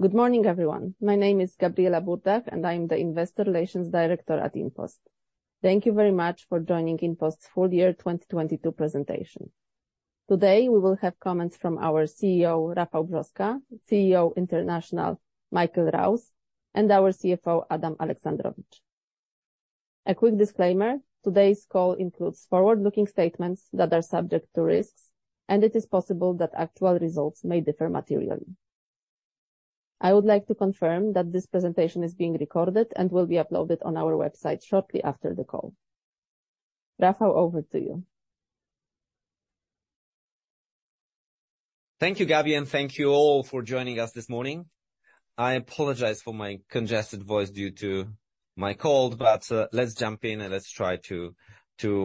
Good morning, everyone. My name is Gabriela Burdach, I'm the Investor Relations Director at InPost. Thank you very much for joining InPost full year 2022 presentation. Today, we will have comments from our CEO, Rafał Brzoska, CEO International, Michael Rouse, and our CFO, Adam Aleksandrowicz. A quick disclaimer, today's call includes forward-looking statements that are subject to risks, it is possible that actual results may differ materially. I would like to confirm that this presentation is being recorded and will be uploaded on our website shortly after the call. Rafał, over to you. Thank you, Gabriela, thank you all for joining us this morning. I apologize for my congested voice due to my cold, but let's jump in, and let's try to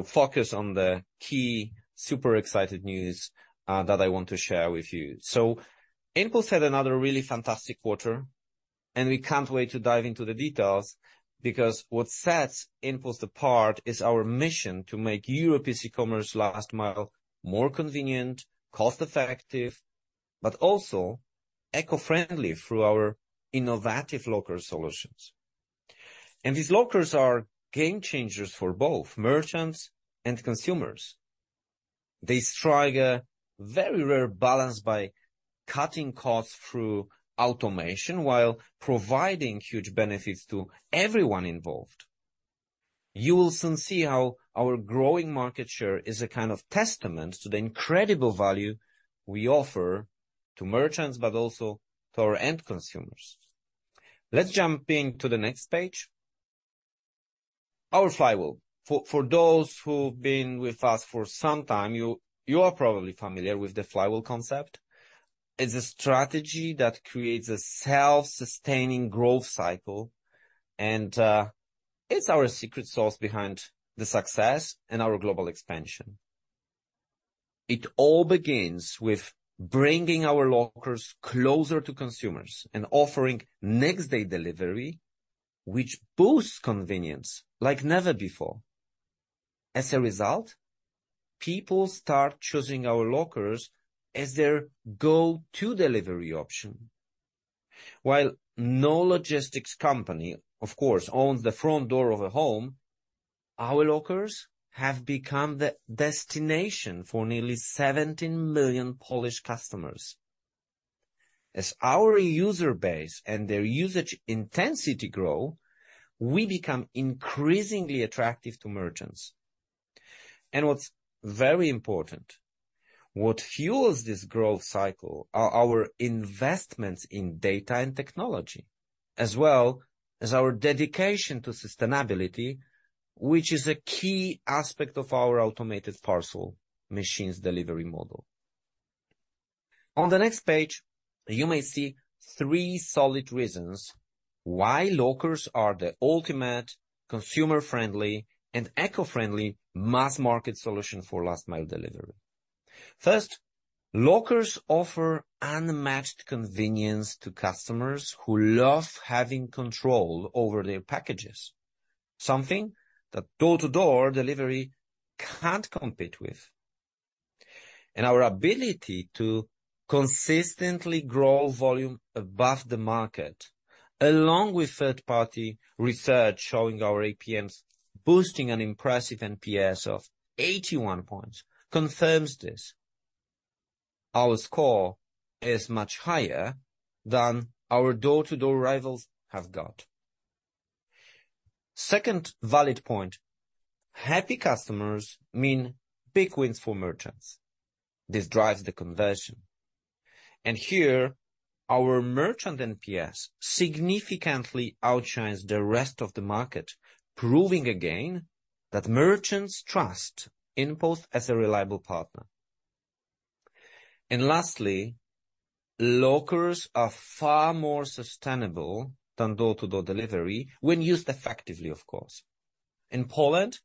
focus on the key super excited news that I want to share with you. InPost had another really fantastic quarter, and we can't wait to dive into the details because what sets InPost apart is our mission to make European commerce last-mile more convenient, cost-effective, but also eco-friendly through our innovative locker solutions. These lockers are game changers for both merchants and consumers. They strike a very rare balance by cutting costs through automation while providing huge benefits to everyone involved. You will soon see how our growing market share is a kind of testament to the incredible value we offer to merchants, but also to our end consumers. Let's jump in to the next page. Our Flywheel. For those who've been with us for some time, you are probably familiar with the flywheel concept. It's a strategy that creates a self-sustaining growth cycle, and it's our secret source behind the success and our global expansion. It all begins with bringing our lockers closer to consumers and offering next-day delivery, which boosts convenience like never before. As a result, people start choosing our lockers as their go-to delivery option. While no logistics company, of course, owns the front door of a home, our lockers have become the destination for nearly 17 million Polish customers. As our user base and their usage intensity grow, we become increasingly attractive to merchants. What's very important, what fuels this growth cycle are our investments in data and technology, as well as our dedication to sustainability, which is a key aspect of our Automated Parcel Machines' delivery model. On the next page, you may see three solid reasons why lockers are the ultimate consumer-friendly and eco-friendly mass-market solution for last-mile delivery. First, lockers offer unmatched convenience to customers who love having control over their packages, something that door-to-door delivery can't compete with. Our ability to consistently grow volume above the market, along with third-party research showing our APMs boosting an impressive NPS of 81 points confirms this. Our score is much higher than our door-to-door rivals have got. Second valid point, happy customers mean big wins for merchants. This drives the conversion. Here, our merchant NPS significantly outshines the rest of the market, proving again that merchants trust InPost as a reliable partner. Lastly, lockers are far more sustainable than door-to-door delivery when used effectively, of course. In Poland,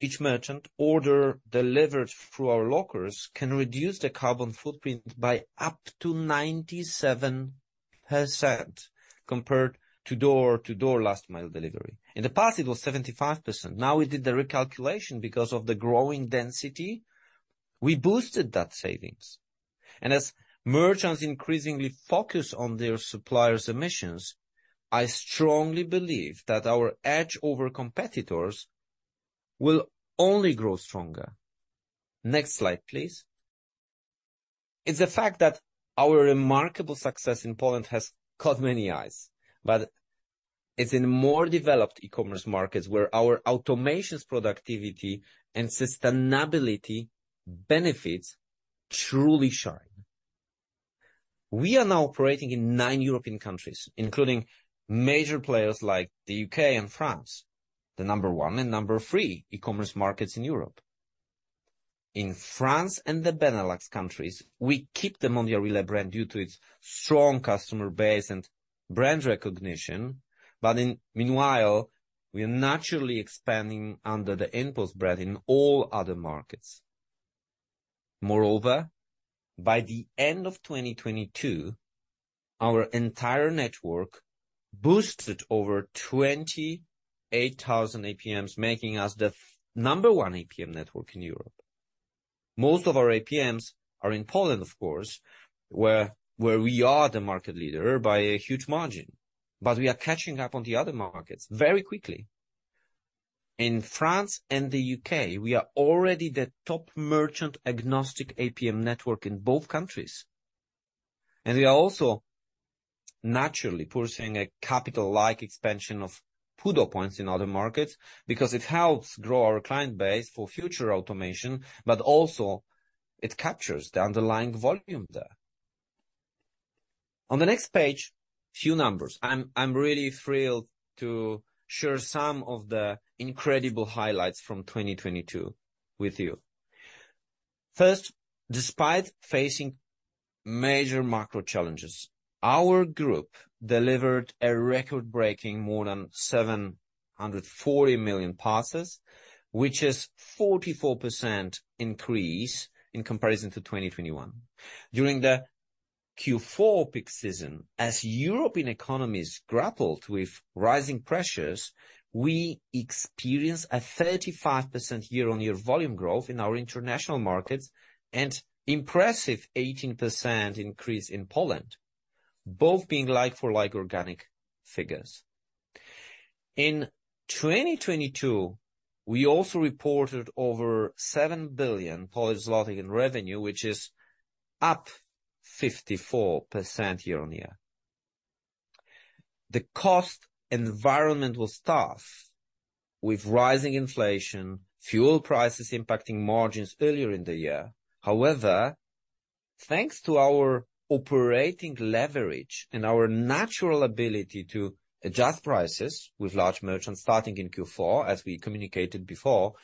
each merchant order delivered through our lockers can reduce the carbon footprint by up to 97% compared to door-to-door last-mile delivery. In the past, it was 75%. Now we did the recalculation. Because of the growing density, we boosted that savings. As merchants increasingly focus on their suppliers' emissions, I strongly believe that our edge over competitors will only grow stronger. Next slide, please. It's the fact that our remarkable success in Poland has caught many eyes, it's in more developed e-commerce markets where our automations productivity and sustainability benefits truly shine. We are now operating in nine European countries, including major players like the U.K. and France, the number one and number three e-commerce markets in Europe. In France and the Benelux countries, we keep the Mondial Relay brand due to its strong customer base and brand recognition, meanwhile, we are naturally expanding under the InPost brand in all other markets. Moreover, by the end of 2022, our entire network boosted over 28,000 APMs, making us the number one APM network in Europe. Most of our APMs are in Poland, of course, where we are the market leader by a huge margin. We are catching up on the other markets very quickly. In France and the U.K., we are already the top merchant-agnostic APM network in both countries. We are also naturally pursuing a capital-like expansion of PUDO points in other markets, because it helps grow our client base for future automation, but also it captures the underlying volume there. On the next page, few numbers. I'm really thrilled to share some of the incredible highlights from 2022 with you. First, despite facing major macro challenges, our group delivered a record-breaking more than 740 million parcels, which is 44% increase in comparison to 2021. During the Q4 peak season, as European economies grappled with rising pressures, we experienced a 35% year-on-year volume growth in our international markets and impressive 18% increase in Poland, both being like-for-like organic figures. In 2022, we also reported over 7 billion in revenue, which is up 54% year-on-year. The cost environment was tough, with rising inflation, fuel prices impacting margins earlier in the year. However, thanks to our operating leverage and our natural ability to adjust prices with large merchants starting in Q4, as we communicated before,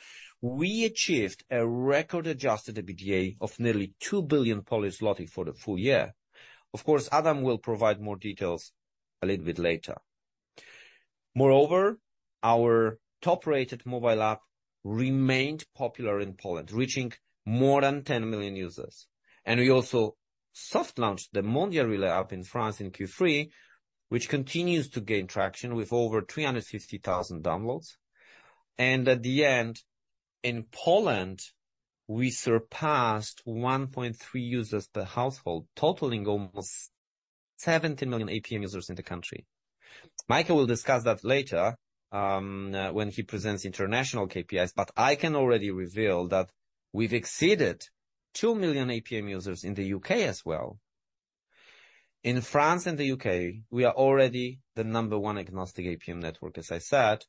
we achieved a record Adjusted EBITDA of nearly 2 billion for the full year. Of course, Adam Aleksandrowicz will provide more details a little bit later. Moreover, our top-rated mobile app remained popular in Poland, reaching more than 10 million users. We also soft launched the Mondial Relay app in France in Q3, which continues to gain traction with over 350,000 downloads. At the end, in Poland, we surpassed 1.3 users per household, totaling almost 70 million APM users in the country. Michael will discuss that later, when he presents international KPIs, but I can already reveal that we've exceeded 2 million APM users in the U.K. as well. In France and the U.K., we are already the number one agnostic APM network, as I said.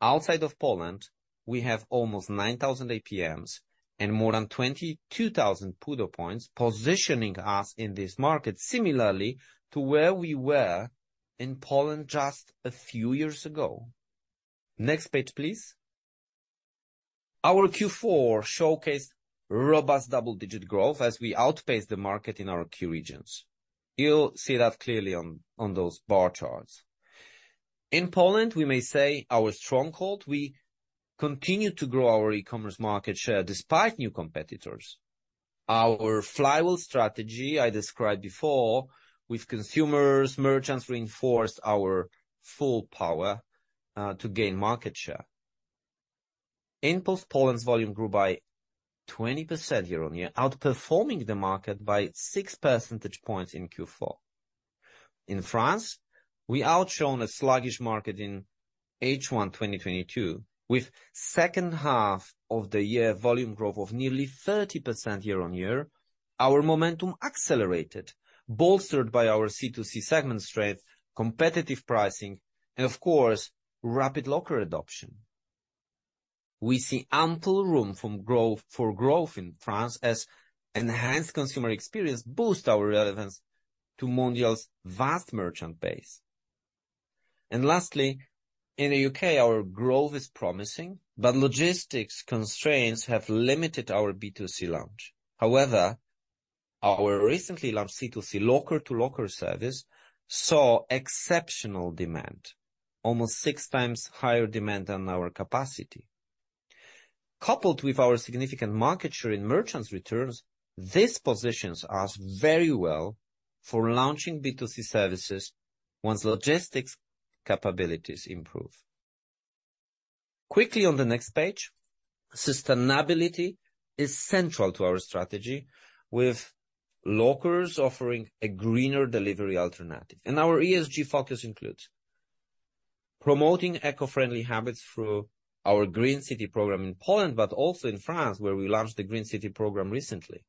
Outside of Poland, we have almost 9,000 APMs and more than 22,000 PUDO points positioning us in this market similarly to where we were in Poland just a few years ago. Next page, please. Our Q4 showcased robust double-digit growth as we outpaced the market in our key regions. You'll see that clearly on those bar charts. In Poland, we may say our stronghold, we continued to grow our e-commerce market share despite new competitors. Our flywheel strategy I described before with consumers, merchants reinforced our full power to gain market share. InPost Poland's volume grew by 20% year-on-year, outperforming the market by 6 percentage points in Q4. In France, we outshone a sluggish market in H1 2022, with second half of the year volume growth of nearly 30% year-on-year. Our momentum accelerated, bolstered by our C2C segment strength, competitive pricing, and of course, rapid locker adoption. We see ample room for growth in France as enhanced consumer experience boost our relevance to Mondial's vast merchant base. Lastly, in the U.K., our growth is promising, but logistics constraints have limited our B2C launch. However, our recently launched C2C locker-to-locker service saw exceptional demand, almost 6 times higher demand than our capacity. Coupled with our significant market share in merchants returns, this positions us very well for launching B2C services once logistics capabilities improve. Quickly on the next page. Sustainability is central to our strategy, with lockers offering a greener delivery alternative. Our ESG focus includes promoting eco-friendly habits through our Green City program in Poland, but also in France, where we launched the Green City program recently.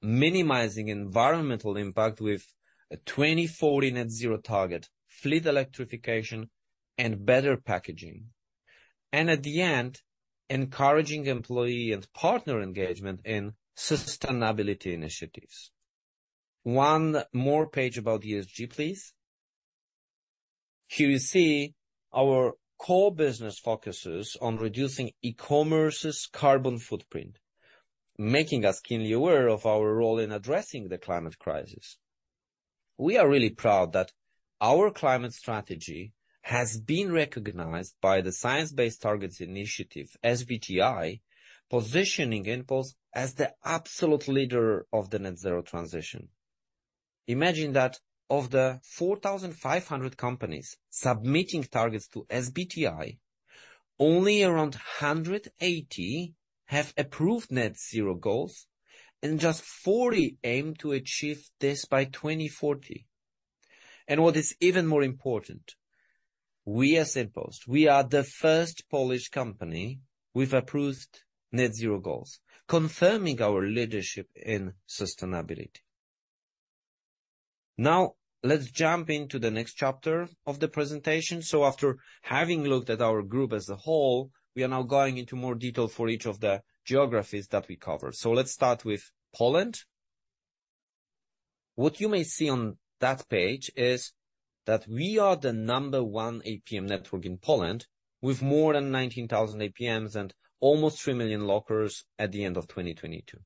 Minimizing environmental impact with a 2040 Net Zero target, fleet electrification, and better packaging. At the end, encouraging employee and partner engagement in sustainability initiatives. One more page about ESG, please. You see our core business focuses on reducing e-commerce's carbon footprint, making us keenly aware of our role in addressing the climate crisis. We are really proud that our climate strategy has been recognized by the Science Based Targets initiative, SBTi, positioning InPost as the absolute leader of the net zero transition. Imagine that of the 4,500 companies submitting targets to SBTi, only around 180 have approved net zero goals, and just 40 aim to achieve this by 2040. What is even more important, we as InPost, we are the first Polish company with approved net zero goals, confirming our leadership in sustainability. Now, let's jump into the next chapter of the presentation. After having looked at our group as a whole, we are now going into more detail for each of the geographies that we cover. Let's start with Poland. What you may see on that page is that we are the number one APM network in Poland, with more than 19,000 APMs and almost 3 million lockers at the end of 2022.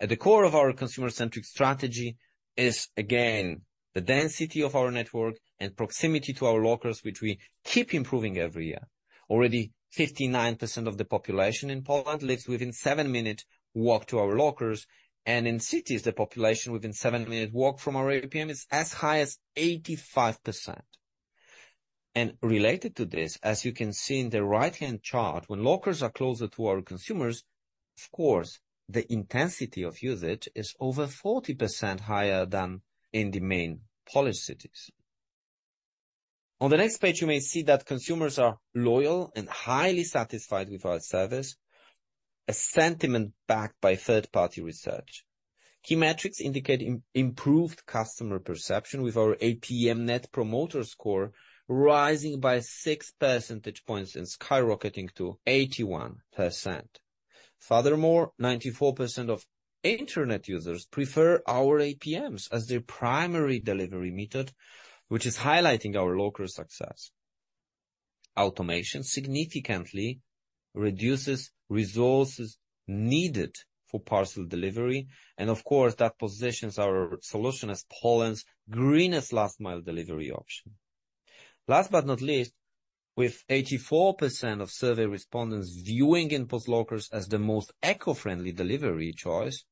At the core of our consumer-centric strategy is, again, the density of our network and proximity to our lockers, which we keep improving every year. Already, 59% of the population in Poland lives within seven-minute walk to our lockers, and in cities, the population within seven-minute walk from our APM is as high as 85%. Related to this, as you can see in the right-hand chart, when lockers are closer to our consumers, of course, the intensity of usage is over 40% higher than in the main Polish cities. On the next page, you may see that consumers are loyal and highly satisfied with our service, a sentiment backed by third-party research. Key metrics indicate improved customer perception with our APM Net Promoter Score rising by 6 percentage points and skyrocketing to 81%. 94% of internet users prefer our APMs as their primary delivery method, which is highlighting our local success. Automation significantly reduces resources needed for parcel delivery, of course, that positions our solution as Poland's greenest last-mile delivery option. Last but not least, with 84% of survey respondents viewing InPost lockers as the most eco-friendly delivery choice,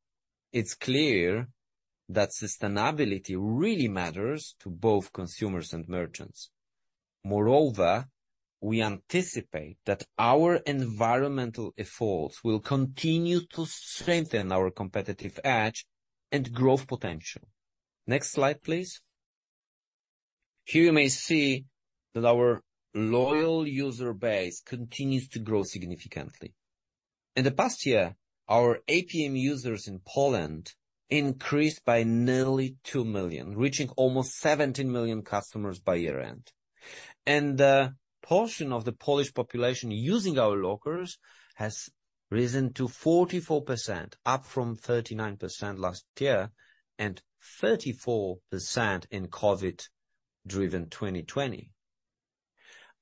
it's clear that sustainability really matters to both consumers and merchants. We anticipate that our environmental efforts will continue to strengthen our competitive edge and growth potential. Next slide, please. Here you may see that our loyal user base continues to grow significantly. In the past year, our APM users in Poland increased by nearly 2 million, reaching almost 17 million customers by year-end. The portion of the Polish population using our lockers has risen to 44%, up from 39% last year and 34% in COVID-driven 2020.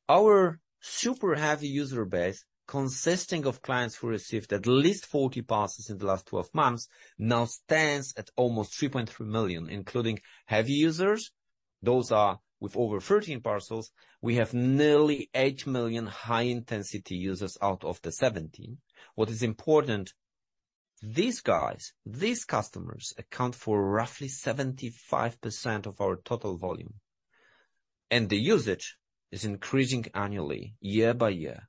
Our super heavy user base, consisting of clients who received at least 40 parcels in the last 12 months, now stands at almost 3.3 million, including heavy users. Those are with over 13 parcels, we have nearly 8 million high-intensity users out of the 17. What is important, these guys, these customers, account for roughly 75% of our total volume, and the usage is increasing annually, year by year.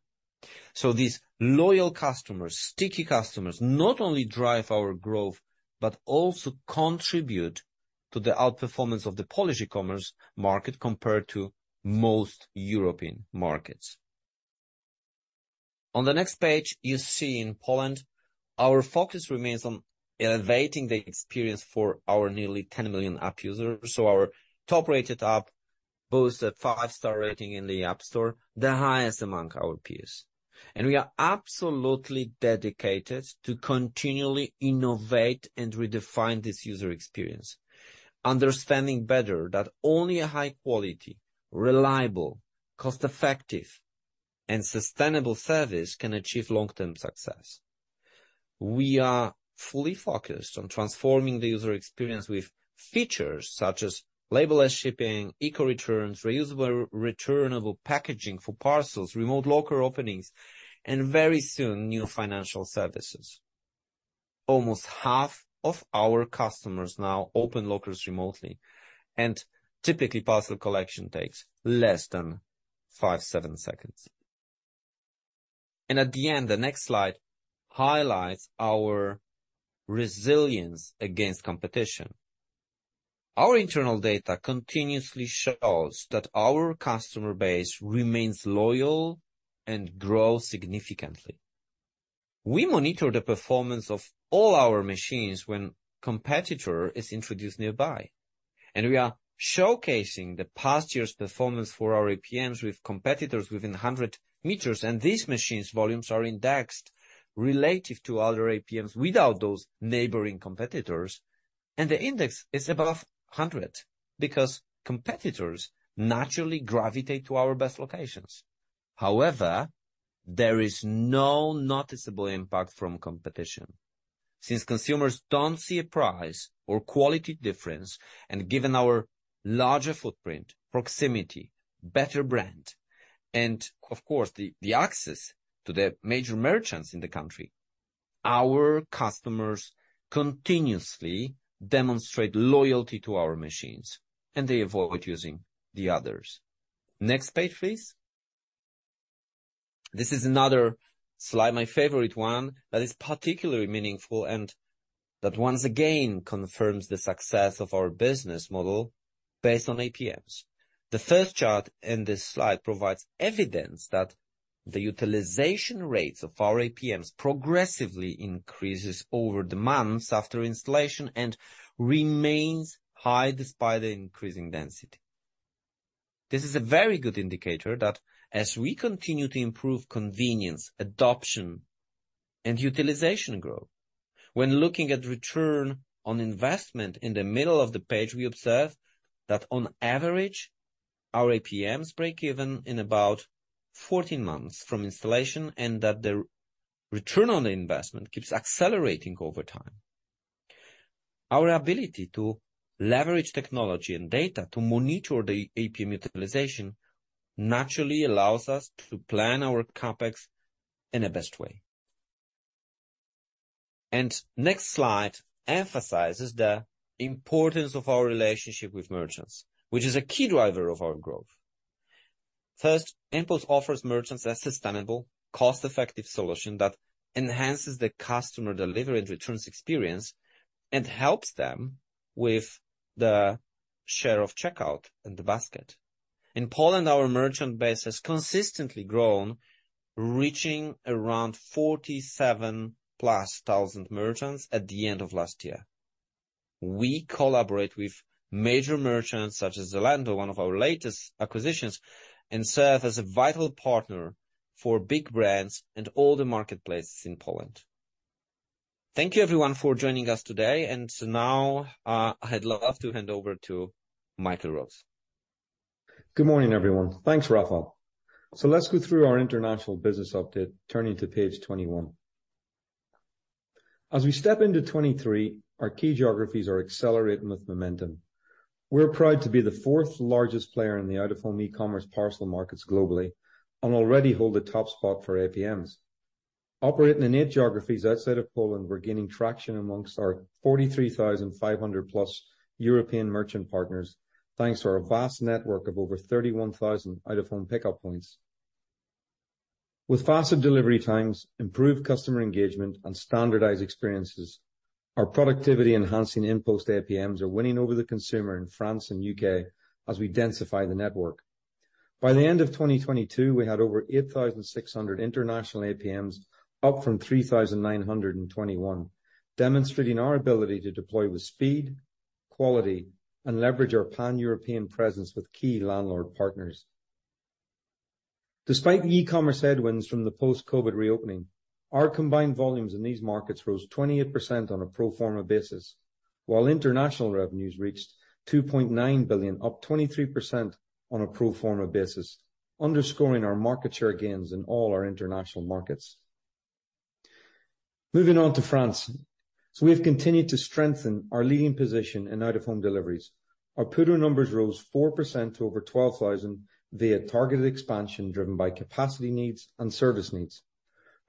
These loyal customers, sticky customers, not only drive our growth, but also contribute to the outperformance of the Polish e-commerce market compared to most European markets. On the next page, you see in Poland, our focus remains on elevating the experience for our nearly 10 million app users. Our top-rated app boasts a 5-star rating in the App Store, the highest among our peers. We are absolutely dedicated to continually innovate and redefine this user experience, understanding better that only a high quality, reliable, cost-effective, and sustainable service can achieve long-term success. We are fully focused on transforming the user experience with features such as label-free shipping, ECO Returns, reusable returnable packaging for parcels, remote locker openings, and very soon, new financial services. Almost half of our customers now open lockers remotely, and typically, parcel collection takes less than 5, 7 seconds. At the end, the next slide highlights our resilience against competition. Our internal data continuously shows that our customer base remains loyal and grows significantly. We monitor the performance of all our machines when competitor is introduced nearby. We are showcasing the past year's performance for our APMs with competitors within 100 meters, and these machines' volumes are indexed relative to other APMs without those neighboring competitors. The index is above 100 because competitors naturally gravitate to our best locations. However, there is no noticeable impact from competition. Since consumers don't see a price or quality difference, and given our larger footprint, proximity, better brand, and of course, the access to the major merchants in the country. Our customers continuously demonstrate loyalty to our machines, and they avoid using the others. Next page, please. This is another slide, my favorite one that is particularly meaningful and that once again confirms the success of our business model based on APMs. The first chart in this slide provides evidence that the utilization rates of our APMs progressively increases over demands after installation and remains high despite the increasing density. This is a very good indicator that as we continue to improve convenience, adoption and utilization growth. When looking at Return on Investment in the middle of the page, we observe that on average, our APMs break even in about 14 months from installation, and that the return on the investment keeps accelerating over time. Our ability to leverage technology and data to monitor the APM utilization naturally allows us to plan our CapEx in a best way. Next slide emphasizes the importance of our relationship with merchants, which is a key driver of our growth. First, InPost offers merchants a sustainable, cost-effective solution that enhances the customer delivery and returns experience and helps them with the share of checkout in the basket. In Poland, our merchant base has consistently grown, reaching around 47+ thousand merchants at the end of last year. We collaborate with major merchants such as Zalando, one of our latest acquisitions, and serve as a vital partner for big brands and all the marketplaces in Poland. Thank you everyone for joining us today. Now, I'd love to hand over to Michael Rouse. Good morning, everyone. Thanks, Rafał. Let's go through our international business update, turning to page 21. As we step into 2023, our key geographies are accelerating with momentum. We're proud to be the fourth largest player in the Out-of-Home e-commerce parcel markets globally and already hold the top spot for APMs. Operating in 8 geographies outside of Poland, we're gaining traction amongst our 43,500 plus European merchant partners, thanks to our vast network of over 31,000 Out-of-Home pickup points. With faster delivery times, improved customer engagement and standardized experiences, our productivity enhancing InPost APMs are winning over the consumer in France and U.K. as we densify the network. By the end of 2022, we had over 8,600 international APMs, up from 3,921, demonstrating our ability to deploy with speed, quality, and leverage our Pan-European presence with key landlord partners. Despite e-commerce headwinds from the post-COVID reopening, our combined volumes in these markets rose 28% on a pro forma basis, while international revenues reached 2.9 billion, up 23% on a pro forma basis, underscoring our market share gains in all our international markets. Moving on to France. We have continued to strengthen our leading position in Out-of-Home deliveries. Our PUDO numbers rose 4% to over 12,000 via targeted expansion driven by capacity needs and service needs.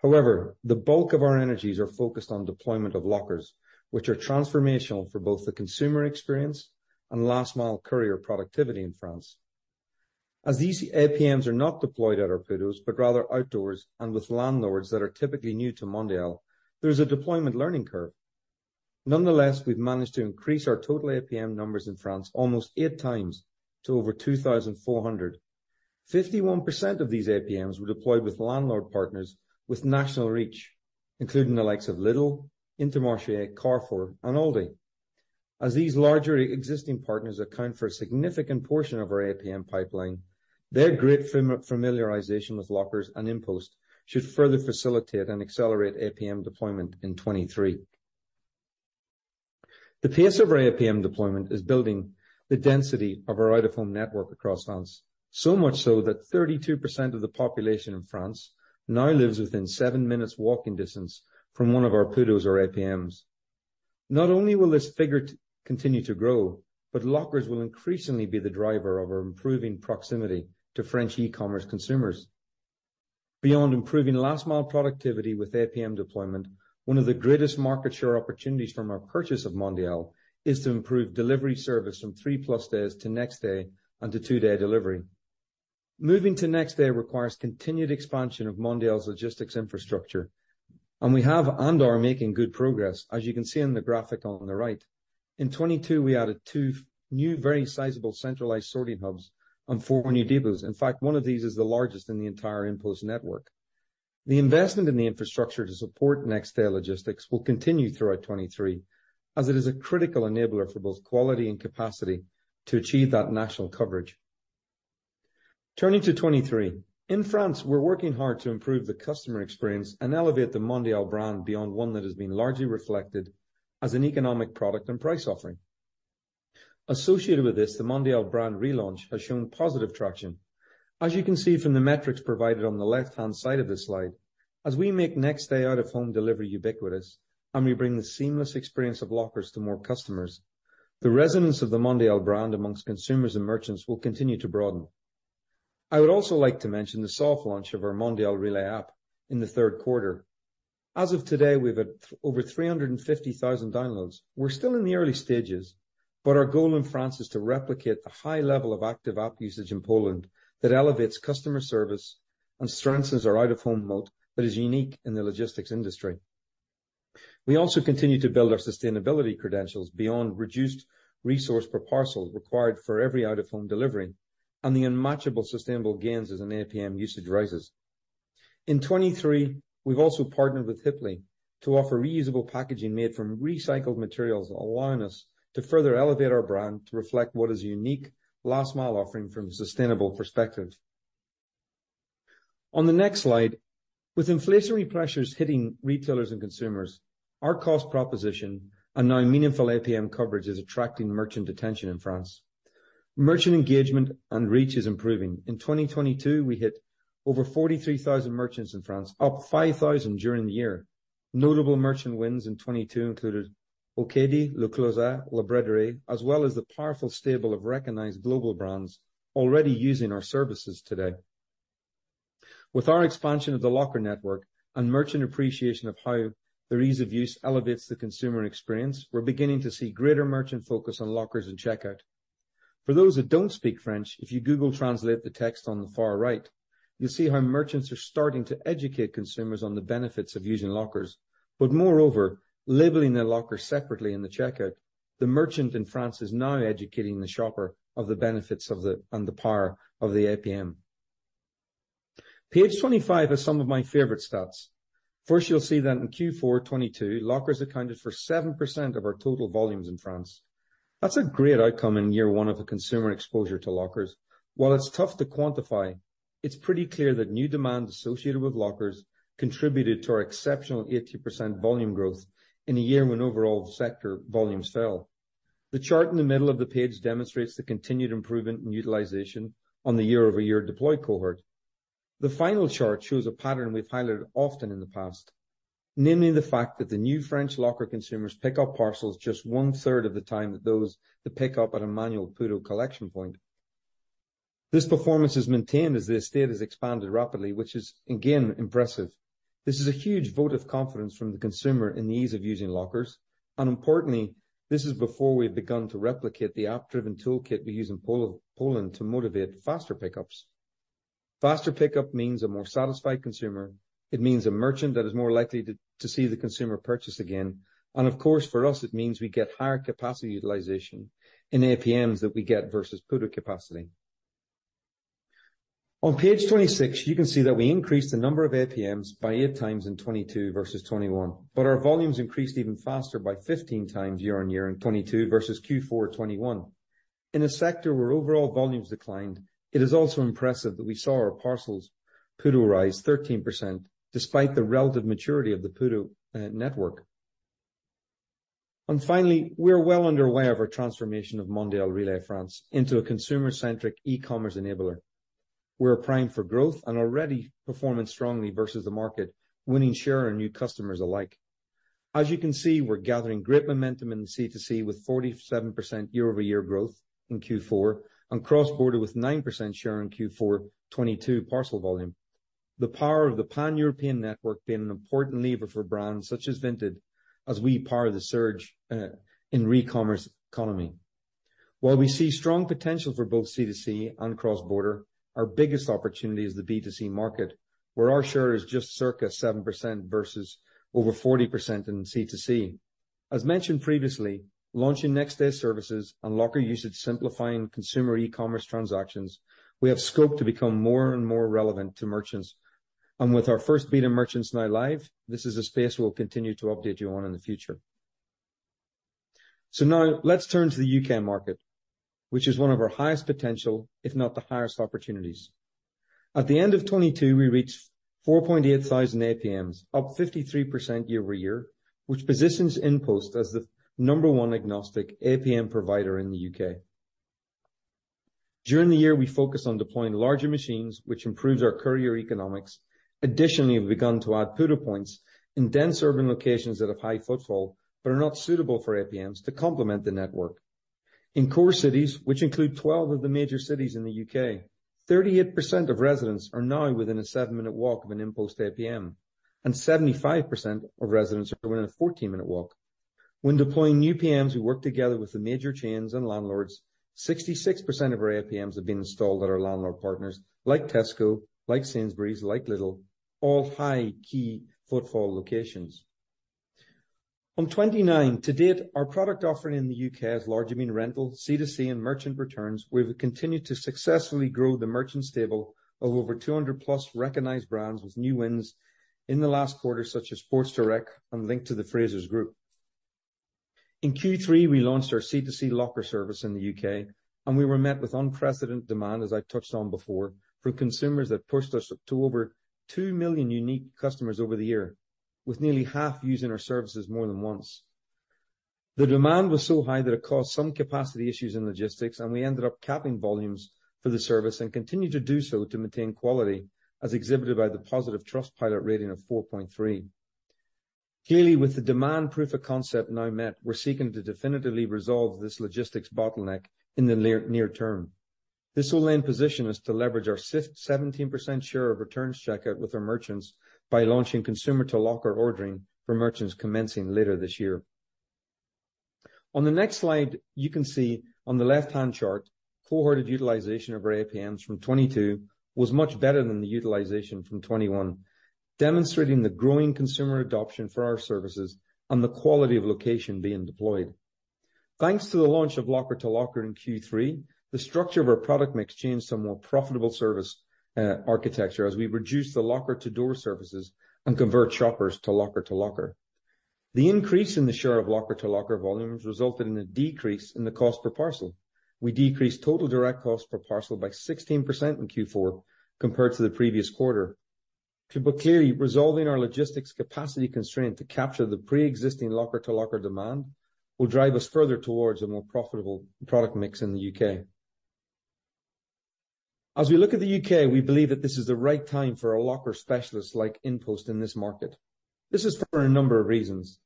The bulk of our energies are focused on deployment of lockers, which are transformational for both the consumer experience and last-mile courier productivity in France. As these APMs are not deployed at our PUDOs, but rather outdoors and with landlords that are typically new to Mondial, there's a deployment learning curve. Nonetheless, we've managed to increase our total APM numbers in France almost 8 times to over 2,400. 51% of these APMs were deployed with landlord partners with national reach, including the likes of Lidl, Intermarché, Carrefour, and Aldi. As these larger existing partners account for a significant portion of our APM pipeline, their great familiarization with lockers and InPost should further facilitate and accelerate APM deployment in 2023. The pace of our APM deployment is building the density of our Out-of-Home network across France, so much so that 32% of the population in France now lives within 7 minutes walking distance from one of our PUDOs or APMs. Not only will this figure continue to grow, but lockers will increasingly be the driver of our improving proximity to French e-commerce consumers. Beyond improving last-mile productivity with APM deployment, one of the greatest market share opportunities from our purchase of Mondial is to improve delivery service from three-plus days to next day and to two-day delivery. Moving to next day requires continued expansion of Mondial's logistics infrastructure, and we have and are making good progress. As you can see in the graphic on the right, in 2022, we added two new very sizable centralized sorting hubs on four new depots. In fact, one of these is the largest in the entire InPost network. The investment in the infrastructure to support next day logistics will continue throughout 2023, as it is a critical enabler for both quality and capacity to achieve that national coverage. Turning to 2023. In France, we're working hard to improve the customer experience and elevate the Mondial brand beyond one that has been largely reflected as an economic product and price offering. Associated with this, the Mondial brand relaunch has shown positive traction. As you can see from the metrics provided on the left-hand side of this slide. As we make Next-Day Out-of-Home delivery ubiquitous, and we bring the seamless experience of lockers to more customers, the resonance of the Mondial brand amongst consumers and merchants will continue to broaden. I would also like to mention the soft launch of our Mondial Relay app in the third quarter. As of today, we've had over 350,000 downloads. We're still in the early stages, but our goal in France is to replicate the high level of active app usage in Poland that elevates customer service and strengthens our Out-of-Home moat that is unique in the logistics industry. We also continue to build our sustainability credentials beyond reduced resource per parcel required for every Out-of-Home delivery and the unmatchable sustainable gains as an APM usage rises. In 2023, we've also partnered with Hipli to offer reusable packaging made from recycled materials, allowing us to further elevate our brand to reflect what is a unique last-mile offering from a sustainable perspective. On the next slide, with inflationary pressures hitting retailers and consumers, our cost proposition and now meaningful APM coverage is attracting merchant attention in France. Merchant engagement and reach is improving. In 2022, we hit over 43,000 merchants in France, up 5,000 during the year. Notable merchant wins in 2022 included Ocado, La Redoute, La Braderie, as well as the powerful stable of recognized global brands already using our services today. With our expansion of the locker network and merchant appreciation of how their ease of use elevates the consumer experience, we're beginning to see greater merchant focus on lockers and checkout. For those that don't speak French, if you Google Translate the text on the far right, you'll see how merchants are starting to educate consumers on the benefits of using lockers. Moreover, labeling their lockers separately in the checkout, the merchant in France is now educating the shopper of the benefits of the, and the power of the APM. Page 25 has some of my favorite stats. First, you'll see that in Q4 2022, lockers accounted for 7% of our total volumes in France. That's a great outcome in year one of a consumer exposure to lockers. While it's tough to quantify, it's pretty clear that new demand associated with lockers contributed to our exceptional 80% volume growth in a year when overall sector volumes fell. The chart in the middle of the page demonstrates the continued improvement in utilization on the year-over-year deploy cohort. The final chart shows a pattern we've highlighted often in the past, namely the fact that the new French locker consumers pick up parcels just one-third of the time that those that pick up at a manual PUDO collection point. This performance is maintained as the estate has expanded rapidly, which is again impressive. This is a huge vote of confidence from the consumer in the ease of using lockers. Importantly, this is before we've begun to replicate the app-driven toolkit we use in Poland to motivate faster pickups. Faster pickup means a more satisfied consumer. It means a merchant that is more likely to see the consumer purchase again. Of course, for us, it means we get higher capacity utilization in APMs that we get versus PUDO capacity. On page 26, you can see that we increased the number of APMs by 8 times in 22 versus 21, but our volumes increased even faster by 15 times year-over-year in 22 versus Q4 21. In a sector where overall volumes declined, it is also impressive that we saw our parcels PUDO rise 13% despite the relative maturity of the PUDO network. Finally, we're well underway of our transformation of Mondial Relay France into a consumer-centric e-commerce enabler. We're primed for growth and already performing strongly versus the market, winning share and new customers alike. As you can see, we're gathering great momentum in C2C with 47% year-over-year growth in Q4 and cross-border with 9% share in Q4 2022 parcel volume. The power of the Pan-European network being an important lever for brands such as Vinted as we power the surge in re-commerce economy. While we see strong potential for both C2C and cross-border, our biggest opportunity is the B2C market, where our share is just circa 7% versus over 40% in C2C. As mentioned previously, launching next day services and locker usage simplifying consumer e-commerce transactions, we have scoped to become more and more relevant to merchants. With our first beta merchants now live, this is a space we'll continue to update you on in the future. Now let's turn to the UK market, which is one of our highest potential, if not the highest opportunities. At the end of 2022, we reached 4,800 APMs, up 53% year-over-year, which positions InPost as the number one agnostic APM provider in the UK. During the year, we focused on deploying larger machines, which improves our courier economics. Additionally, we've begun to add PUDO points in dense urban locations that have high footfall but are not suitable for APMs to complement the network. In Core Cities, which include 12 of the major cities in the UK, 38% of residents are now within a seven-minute walk of an InPost APM, and 75% of residents are within a fourteen-minute walk. When deploying new APMs, we work together with the major chains and landlords. 66% of our APMs have been installed at our landlord partners like Tesco, like Sainsbury's, like Lidl, all high key footfall locations. On 29, to date, our product offering in the UK has largely been rental, C2C, and merchant returns. We've continued to successfully grow the merchant stable of over 200+ recognized brands with new wins in the last quarter, such as Sports Direct and Link to the Frasers Group. In Q3, we launched our C2C locker service in the UK. We were met with unprecedented demand, as I touched on before, from consumers that pushed us up to over 2 million unique customers over the year, with nearly half using our services more than once. The demand was so high that it caused some capacity issues in logistics, and we ended up capping volumes for the service and continued to do so to maintain quality, as exhibited by the positive Trustpilot rating of 4.3. With the demand proof of concept now met, we're seeking to definitively resolve this logistics bottleneck in the near term. This will then position us to leverage our 17% share of returns checkout with our merchants by launching consumer to locker ordering for merchants commencing later this year. On the next slide, you can see on the left-hand chart, cohorted utilization of our APMs from 2022 was much better than the utilization from 2021, demonstrating the growing consumer adoption for our services and the quality of location being deployed. Thanks to the launch of Locker-to-Locker in Q3, the structure of our product mix changed to a more profitable service architecture as we reduced the Locker-to-Door services and convert shoppers to locker-to-locker. The increase in the share of Locker-to-Locker volumes resulted in a decrease in the cost per parcel. We decreased total direct cost per parcel by 16% in Q4 compared to the previous quarter. Clearly, resolving our logistics capacity constraint to capture the pre-existing Locker-to-Locker demand will drive us further towards a more profitable product mix in the U.K. As we look at the U.K., we believe that this is the right time for a locker specialist like InPost in this market. This is for a number of reasons.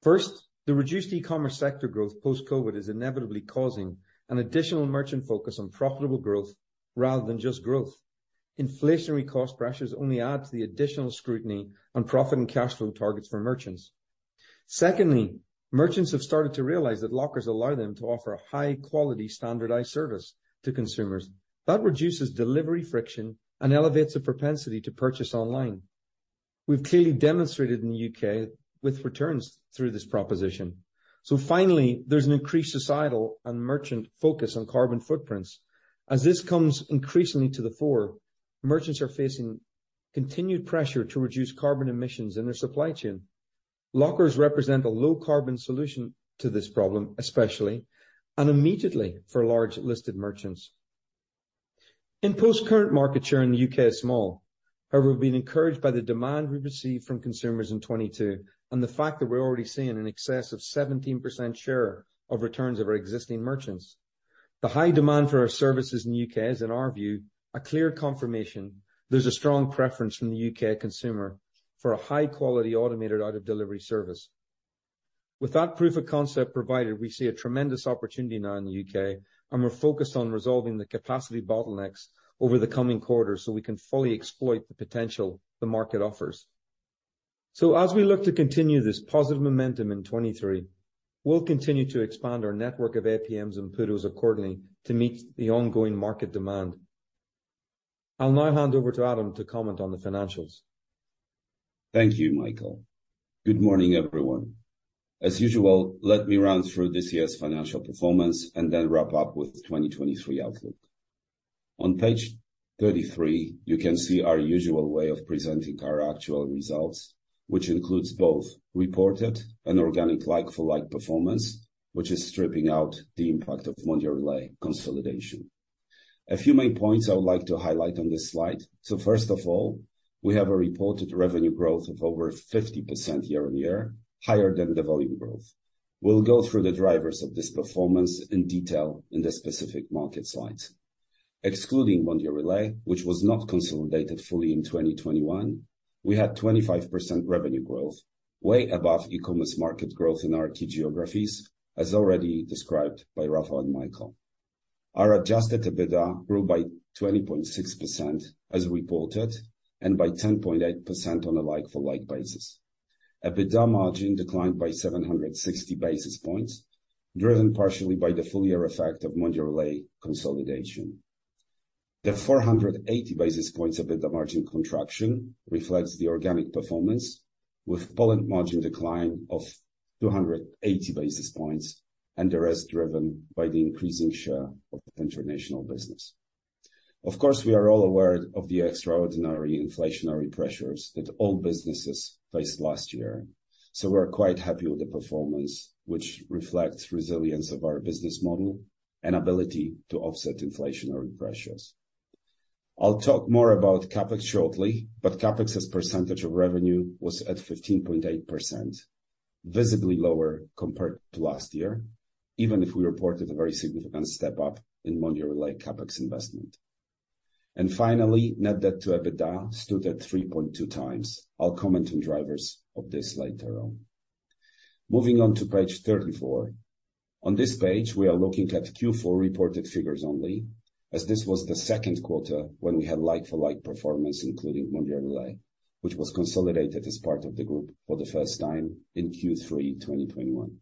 First, the reduced e-commerce sector growth post-COVID is inevitably causing an additional merchant focus on profitable growth rather than just growth Inflationary cost pressures only add to the additional scrutiny on profit and cash flow targets for merchants. Secondly, merchants have started to realize that lockers allow them to offer a high quality standardized service to consumers. That reduces delivery friction and elevates the propensity to purchase online. We've clearly demonstrated in the UK with returns through this proposition. Finally, there's an increased societal and merchant focus on carbon footprints. As this comes increasingly to the fore, merchants are facing continued pressure to reduce carbon emissions in their supply chain. Lockers represent a low carbon solution to this problem, especially and immediately for large listed merchants. InPost current market share in the UK is small. However, we've been encouraged by the demand we've received from consumers in 2022 and the fact that we're already seeing in excess of 17% share of returns of our existing merchants. The high demand for our services in U.K. is, in our view, a clear confirmation there's a strong preference from the U.K. consumer for a high-quality automated out-of-delivery service. With that proof of concept provided, we see a tremendous opportunity now in the U.K., and we're focused on resolving the capacity bottlenecks over the coming quarters so we can fully exploit the potential the market offers. As we look to continue this positive momentum in 2023, we'll continue to expand our network of APMs and PUDOs accordingly to meet the ongoing market demand. I'll now hand over to Adam to comment on the financials. Thank you, Michael. Good morning, everyone. As usual, let me run through this year's financial performance and then wrap up with the 2023 outlook. On page 33, you can see our usual way of presenting our actual results, which includes both reported and organic like-for-like performance, which is stripping out the impact of Mondial Relay consolidation. A few main points I would like to highlight on this slide. First of all, we have a reported revenue growth of over 50% year-on-year, higher than the volume growth. We'll go through the drivers of this performance in detail in the specific market slides. Excluding Mondial Relay, which was not consolidated fully in 2021, we had 25% revenue growth, way above e-commerce market growth in our key geographies, as already described by Rafał and Michael. Our adjusted EBITDA grew by 20.6% as reported and by 10.8% on a like-for-like basis. EBITDA margin declined by 760 basis points, driven partially by the full year effect of Mondial Relay consolidation. The 480 basis points EBITDA margin contraction reflects the organic performance, with Poland margin decline of 280 basis points and the rest driven by the increasing share of international business. We are all aware of the extraordinary inflationary pressures that all businesses faced last year, so we're quite happy with the performance, which reflects resilience of our business model and ability to offset inflationary pressures. I'll talk more about CapEx shortly, but CapEx as a percentage of revenue was at 15.8%, visibly lower compared to last year, even if we reported a very significant step up in Mondial Relay CapEx investment. Finally, net debt to EBITDA stood at 3.2x. I'll comment on drivers of this later on. Moving on to page 34. On this page, we are looking at Q4 reported figures only, as this was the second quarter when we had like-for-like performance, including Mondial Relay, which was consolidated as part of the group for the first time in Q3 2021.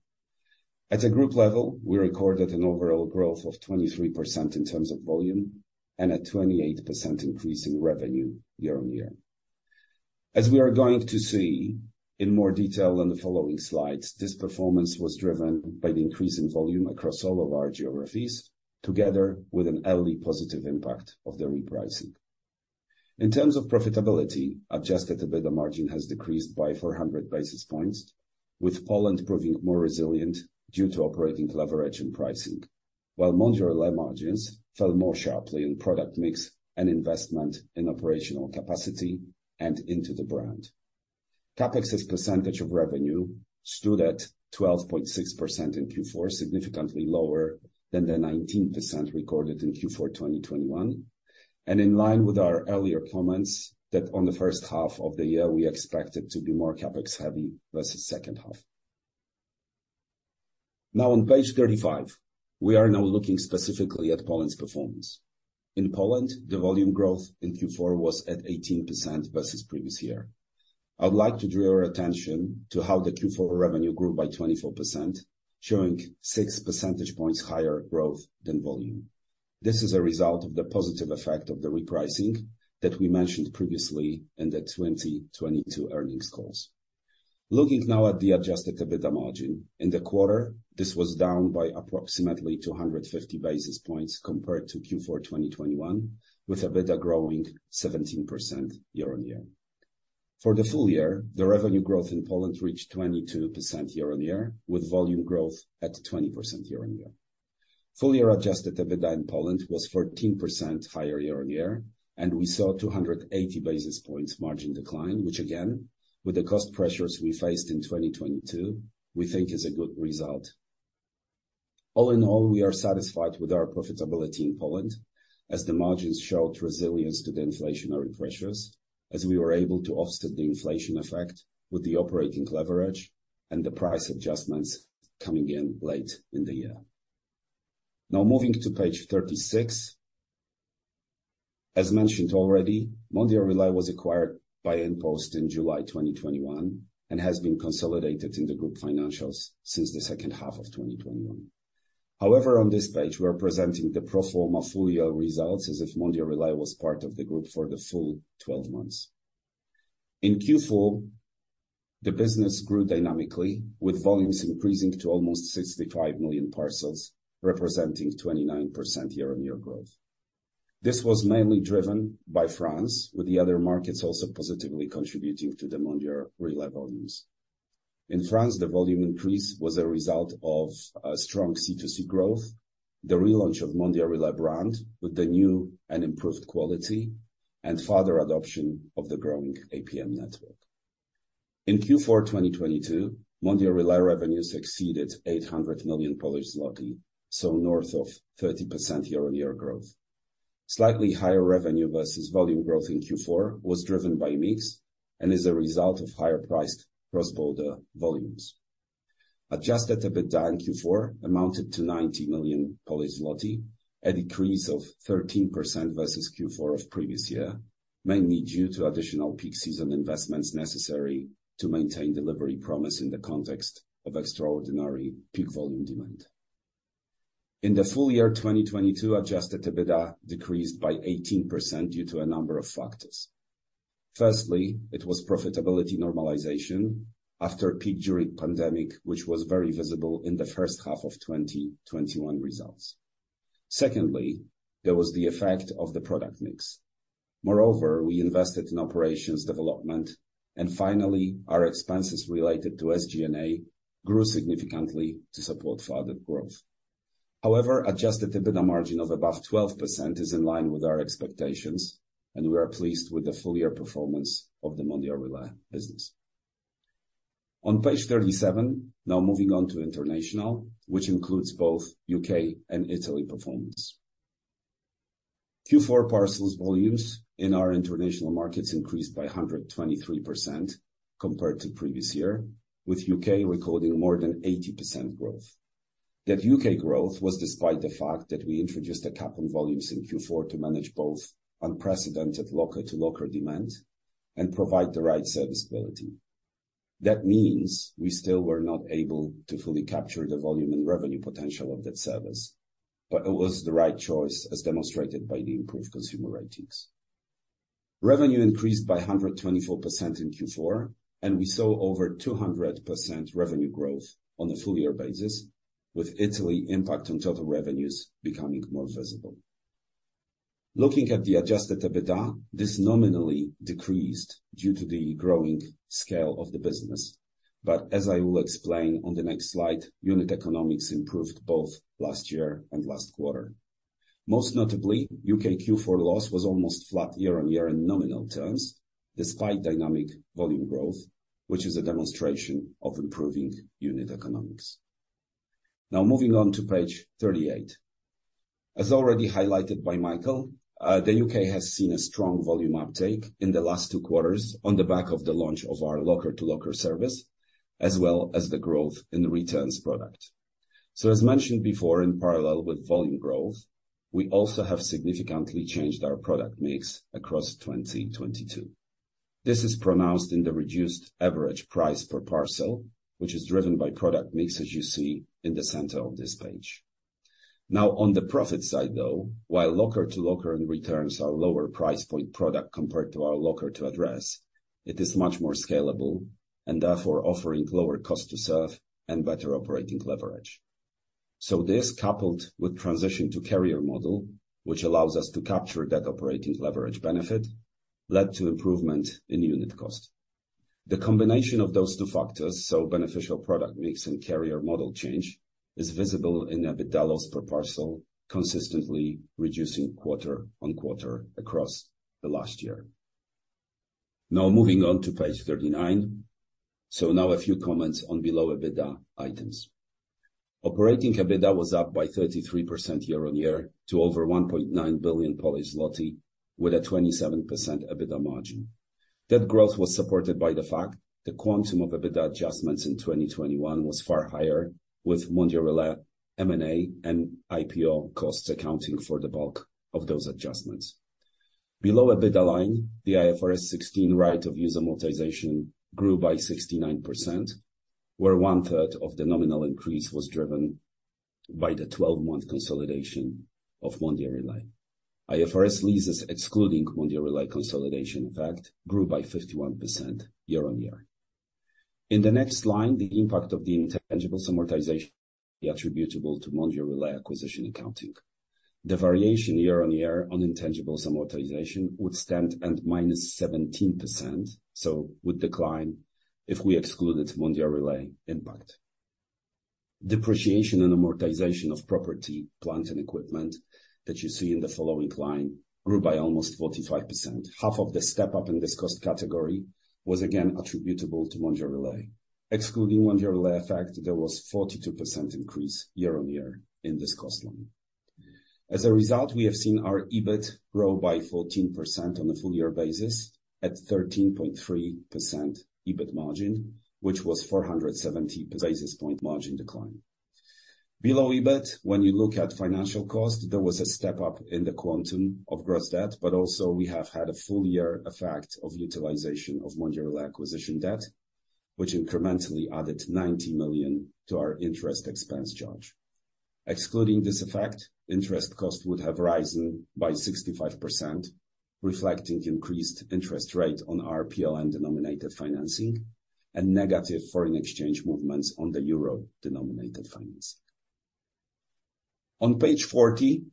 At a group level, we recorded an overall growth of 23% in terms of volume and a 28% increase in revenue year-on-year. As we are going to see in more detail on the following slides, this performance was driven by the increase in volume across all of our geographies, together with an early positive impact of the repricing. In terms of profitability, adjusted EBITDA margin has decreased by 400 basis points, with Poland proving more resilient due to operating leverage and pricing, while Mondial Relay margins fell more sharply in product mix and investment in operational capacity and into the brand. CapEx as percentage of revenue-Stood at 12.6% in Q4, significantly lower than the 19% recorded in Q4 2021. In line with our earlier comments that on the first half of the year we expected to be more CapEx heavy versus second half. On page 35, we are now looking specifically at Poland's performance. In Poland, the volume growth in Q4 was at 18% versus previous year. I would like to draw your attention to how the Q4 revenue grew by 24%, showing 6 percentage points higher growth than volume. This is a result of the positive effect of the repricing that we mentioned previously in the 2022 earnings calls. Looking now at the adjusted EBITDA margin. In the quarter, this was down by approximately 250 basis points compared to Q4 2021, with EBITDA growing 17% year-on-year. For the full year, the revenue growth in Poland reached 22% year-on-year, with volume growth at 20% year-on-year. Full year adjusted EBITDA in Poland was 14% higher year-on-year, and we saw 280 basis points margin decline, which again, with the cost pressures we faced in 2022, we think is a good result. All in all, we are satisfied with our profitability in Poland as the margins showed resilience to the inflationary pressures as we were able to offset the inflation effect with the operating leverage and the price adjustments coming in late in the year. Moving to page 36. As mentioned already, Mondial Relay was acquired by InPost in July 2021 and has been consolidated in the group financials since the second half of 2021. On this page we are presenting the pro forma full year results as if Mondial Relay was part of the group for the full 12 months. In Q4, the business grew dynamically, with volumes increasing to almost 65 million parcels, representing 29% year-on-year growth. This was mainly driven by France, with the other markets also positively contributing to the Mondial Relay volumes. In France, the volume increase was a result of strong C2C growth, the relaunch of Mondial Relay brand with the new and improved quality and further adoption of the growing APM network. In Q4 2022, Mondial Relay revenues exceeded 800 million Polish zloty, north of 30% year-on-year growth. Slightly higher revenue versus volume growth in Q4 was driven by mix and is a result of higher priced cross-border volumes. Adjusted EBITDA in Q4 amounted to 90 million zloty, a decrease of 13% versus Q4 of previous year, mainly due to additional peak season investments necessary to maintain delivery promise in the context of extraordinary peak volume demand. In the full year 2022, adjusted EBITDA decreased by 18% due to a number of factors. Firstly, it was profitability normalization after peak during pandemic, which was very visible in the first half of 2021 results. Secondly, there was the effect of the product mix. We invested in operations development and finally our expenses related to SG&A grew significantly to support further growth. Adjusted EBITDA margin of above 12% is in line with our expectations and we are pleased with the full year performance of the Mondial Relay business. On page 37, now moving on to international, which includes both UK and Italy performance. Q4 parcels volumes in our international markets increased by 123% compared to previous year, with UK recording more than 80% growth. UK growth was despite the fact that we introduced a cap on volumes in Q4 to manage both unprecedented Locker-to-Locker demand and provide the right service quality. That means we still were not able to fully capture the volume and revenue potential of that service, but it was the right choice as demonstrated by the improved consumer ratings. Revenue increased by 124% in Q4, and we saw over 200% revenue growth on a full year basis, with Italy impact on total revenues becoming more visible. Looking at the adjusted EBITDA, this nominally decreased due to the growing scale of the business. As I will explain on the next slide, unit economics improved both last year and last quarter. Most notably, U.K. Q4 loss was almost flat year-on-year in nominal terms, despite dynamic volume growth, which is a demonstration of improving unit economics. Moving on to page 38. As already highlighted by Michael Rouse, the UK has seen a strong volume uptake in the last two quarters on the back of the launch of our Locker-to-Locker service, as well as the growth in the returns product. As mentioned before, in parallel with volume growth, we also have significantly changed our product mix across 2022. This is pronounced in the reduced average price per parcel, which is driven by product mix, as you see in the center of this page. On the profit side though, while Locker-to-Locker in returns are lower price point product compared to our locker-to-address, it is much more scalable and therefore offering lower cost to serve and better operating leverage. This coupled with transition to carrier model, which allows us to capture that operating leverage benefit, led to improvement in unit cost. The combination of those two factors, so beneficial product mix and carrier model change is visible in EBITDA loss per parcel, consistently reducing quarter-on-quarter across the last year. Now moving on to page 39. Now a few comments on below EBITDA items. Operating EBITDA was up by 33% year-on-year to over 1.9 billion Polish zloty, with a 27% EBITDA margin. That growth was supported by the fact the quantum of EBITDA adjustments in 2021 was far higher, with Mondial Relay, M&A, and IPO costs accounting for the bulk of those adjustments. Below EBITDA line, the IFRS 16 right-of-use amortization grew by 69%, where one-third of the nominal increase was driven by the 12-month consolidation of Mondial Relay. IFRS leases excluding Mondial Relay consolidation, in fact, grew by 51% year-on-year. In the next line, the impact of the intangible amortization attributable to Mondial Relay acquisition accounting. The variation year-on-year on intangibles amortization would stand at minus 17%, so would decline if we excluded Mondial Relay impact. Depreciation and amortization of property, plant, and equipment that you see in the following line grew by almost 45%. Half of the step-up in this cost category was again attributable to Mondial Relay. Excluding Mondial Relay effect, there was 42% increase year-on-year in this cost line. As a result, we have seen our EBIT grow by 14% on a full year basis at 13.3% EBIT margin, which was 470 basis point margin decline. Below EBIT, when you look at financial cost, there was a step up in the quantum of gross debt. Also, we have had a full year effect of utilization of Mondial Relay acquisition debt, which incrementally added 90 million to our interest expense charge. Excluding this effect, interest cost would have risen by 65%, reflecting increased interest rate on our PLN-denominated financing and negative foreign exchange movements on the euro-denominated financing. On page 40,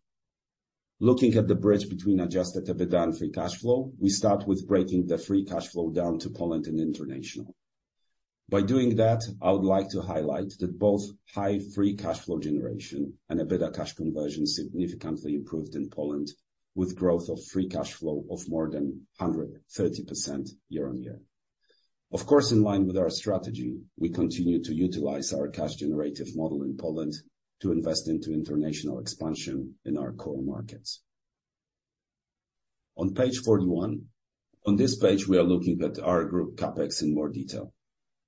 looking at the bridge between adjusted EBITDA and free cash flow, we start with breaking the free cash flow down to Poland and international. By doing that, I would like to highlight that both high free cash flow generation and EBITDA cash conversion significantly improved in Poland, with growth of free cash flow of more than 130% year-on-year. In line with our strategy, we continue to utilize our cash-generative model in Poland to invest into international expansion in our core markets. On page 41. On this page, we are looking at our group CapEx in more detail.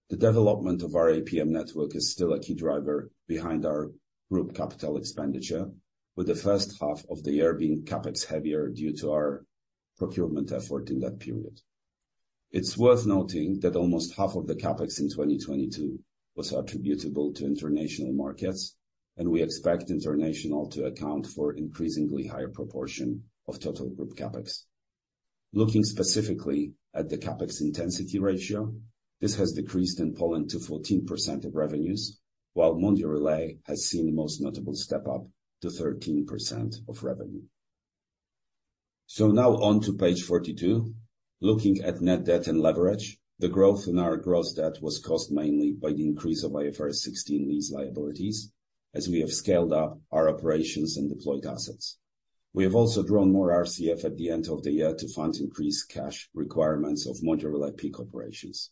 The development of our APM network is still a key driver behind our group capital expenditure, with the first half of the year being CapEx-heavier due to our procurement effort in that period. It's worth noting that almost half of the CapEx in 2022 was attributable to international markets, and we expect international to account for increasingly higher proportion of total group CapEx. Looking specifically at the CapEx intensity ratio, this has decreased in Poland to 14% of revenues, while Mondial Relay has seen the most notable step up to 13% of revenue. Now on to page 42. Looking at net debt and leverage, the growth in our gross debt was caused mainly by the increase of IFRS 16 lease liabilities as we have scaled up our operations and deployed assets. We have also drawn more RCF at the end of the year to fund increased cash requirements of Mondial Relay peak operations.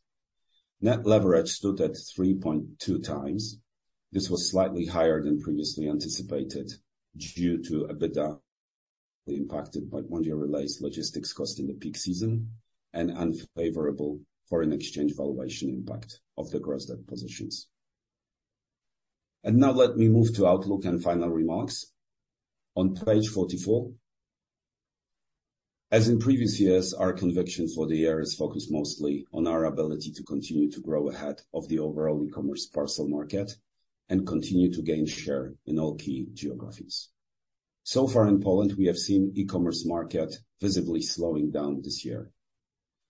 Net leverage stood at 3.2x. This was slightly higher than previously anticipated due to EBITDA impacted by Mondial Relay's logistics cost in the peak season and unfavorable foreign exchange valuation impact of the gross debt positions. Now let me move to outlook and final remarks. On page 44. As in previous years, our conviction for the year is focused mostly on our ability to continue to grow ahead of the overall e-commerce parcel market and continue to gain share in all key geographies. Far in Poland, we have seen e-commerce market visibly slowing down this year.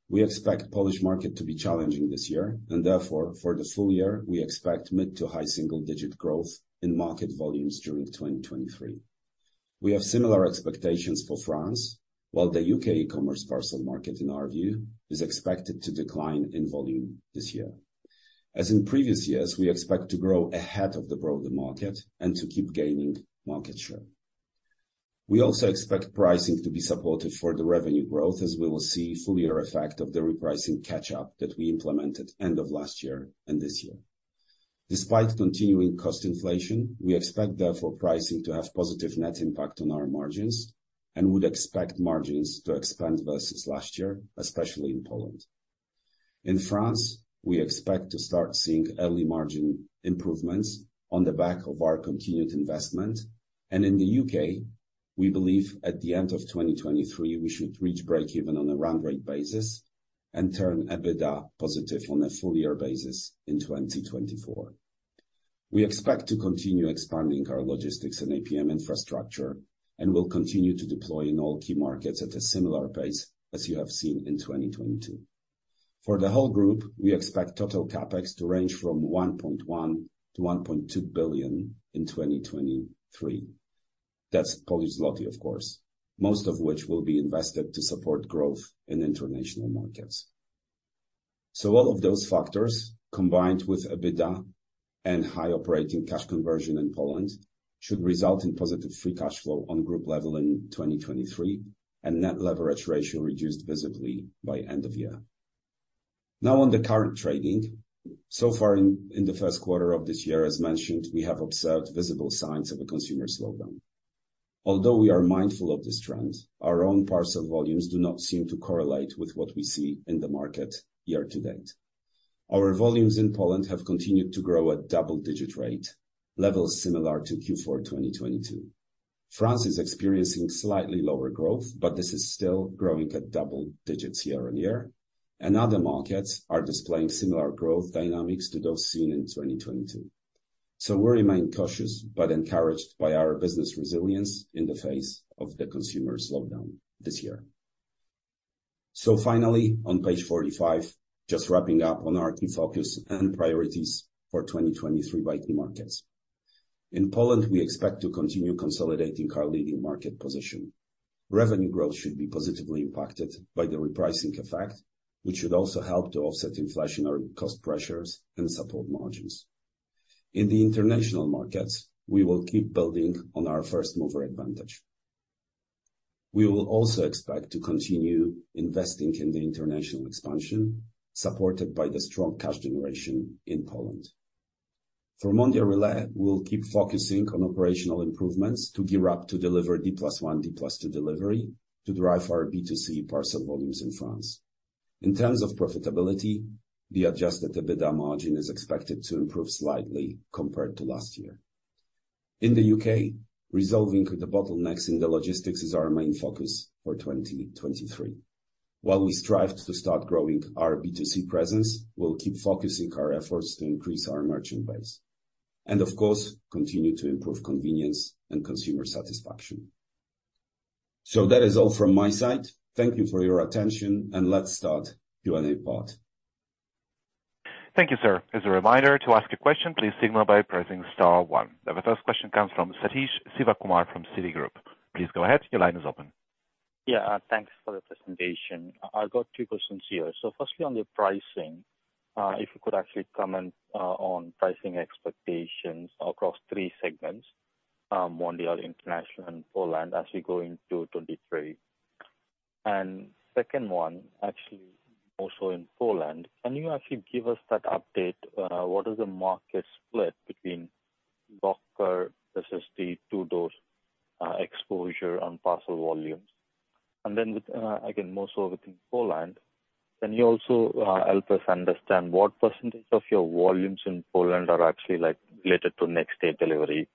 We expect Polish market to be challenging this year and therefore for the full year we expect mid-to-high single-digit growth in market volumes during 2023. We have similar expectations for France, while the UK e-commerce parcel market in our view, is expected to decline in volume this year. As in previous years, we expect to grow ahead of the broader market and to keep gaining market share. We also expect pricing to be supportive for the revenue growth as we will see full-year effect of the repricing catch-up that we implemented end of last year and this year. Despite continuing cost inflation, we expect therefore pricing to have positive net impact on our margins and would expect margins to expand versus last year, especially in Poland. In France, we expect to start seeing early margin improvements on the back of our continued investment. In the UK, we believe at the end of 2023 we should reach break even on a run rate basis and turn EBITDA positive on a full year basis in 2024. We expect to continue expanding our logistics and APM infrastructure and will continue to deploy in all key markets at a similar pace as you have seen in 2022. For the whole group, we expect total CapEx to range from 1.1 billion-1.2 billion in 2023. That's Polish zloty, of course, most of which will be invested to support growth in international markets. All of those factors, combined with EBITDA and high operating cash conversion in Poland, should result in positive free cash flow on group level in 2023. Net leverage ratio reduced visibly by end of year. Now, on the current trading. Far in the first quarter of this year, as mentioned, we have observed visible signs of a consumer slowdown. Although we are mindful of this trend, our own parcel volumes do not seem to correlate with what we see in the market year-to-date. Our volumes in Poland have continued to grow at double digit rate, levels similar to Q4 2022. France is experiencing slightly lower growth, but this is still growing at double digits year-on-year. Other markets are displaying similar growth dynamics to those seen in 2022. We remain cautious but encouraged by our business resilience in the face of the consumer slowdown this year. Finally, on page 45, just wrapping up on our key focus and priorities for 2023 by key markets. In Poland, we expect to continue consolidating our leading market position. Revenue growth should be positively impacted by the repricing effect, which should also help to offset inflationary cost pressures and support margins. In the international markets, we will keep building on our first mover advantage. We will also expect to continue investing in the international expansion, supported by the strong cash generation in Poland. For Mondial Relay, we'll keep focusing on operational improvements to gear up to deliver D+1, D+2 delivery to drive our B2C parcel volumes in France. In terms of profitability, the adjusted EBITDA margin is expected to improve slightly compared to last year. In the U.K., resolving the bottlenecks in the logistics is our main focus for 2023. While we strive to start growing our B2C presence, we'll keep focusing our efforts to increase our merchant base. Of course, continue to improve convenience and consumer satisfaction. That is all from my side. Thank you for your attention, and let's start Q&A part. Thank you, sir. As a reminder to ask a question, please signal by pressing star one. The first question comes from Sathish Sivakumar from Citigroup. Please go ahead. Your line is open. Yeah. Thanks for the presentation. I've got two questions here. Firstly, on the pricing, if you could actually comment on pricing expectations across three segments, Mondial, International, and Poland as we go into 2023. Second one, actually also in Poland, can you actually give us that update? What is the market split between locker versus the two doors exposure on parcel volumes? With, again, more so within Poland, can you also help us understand what % of your volumes in Poland are actually like related to next day delivery?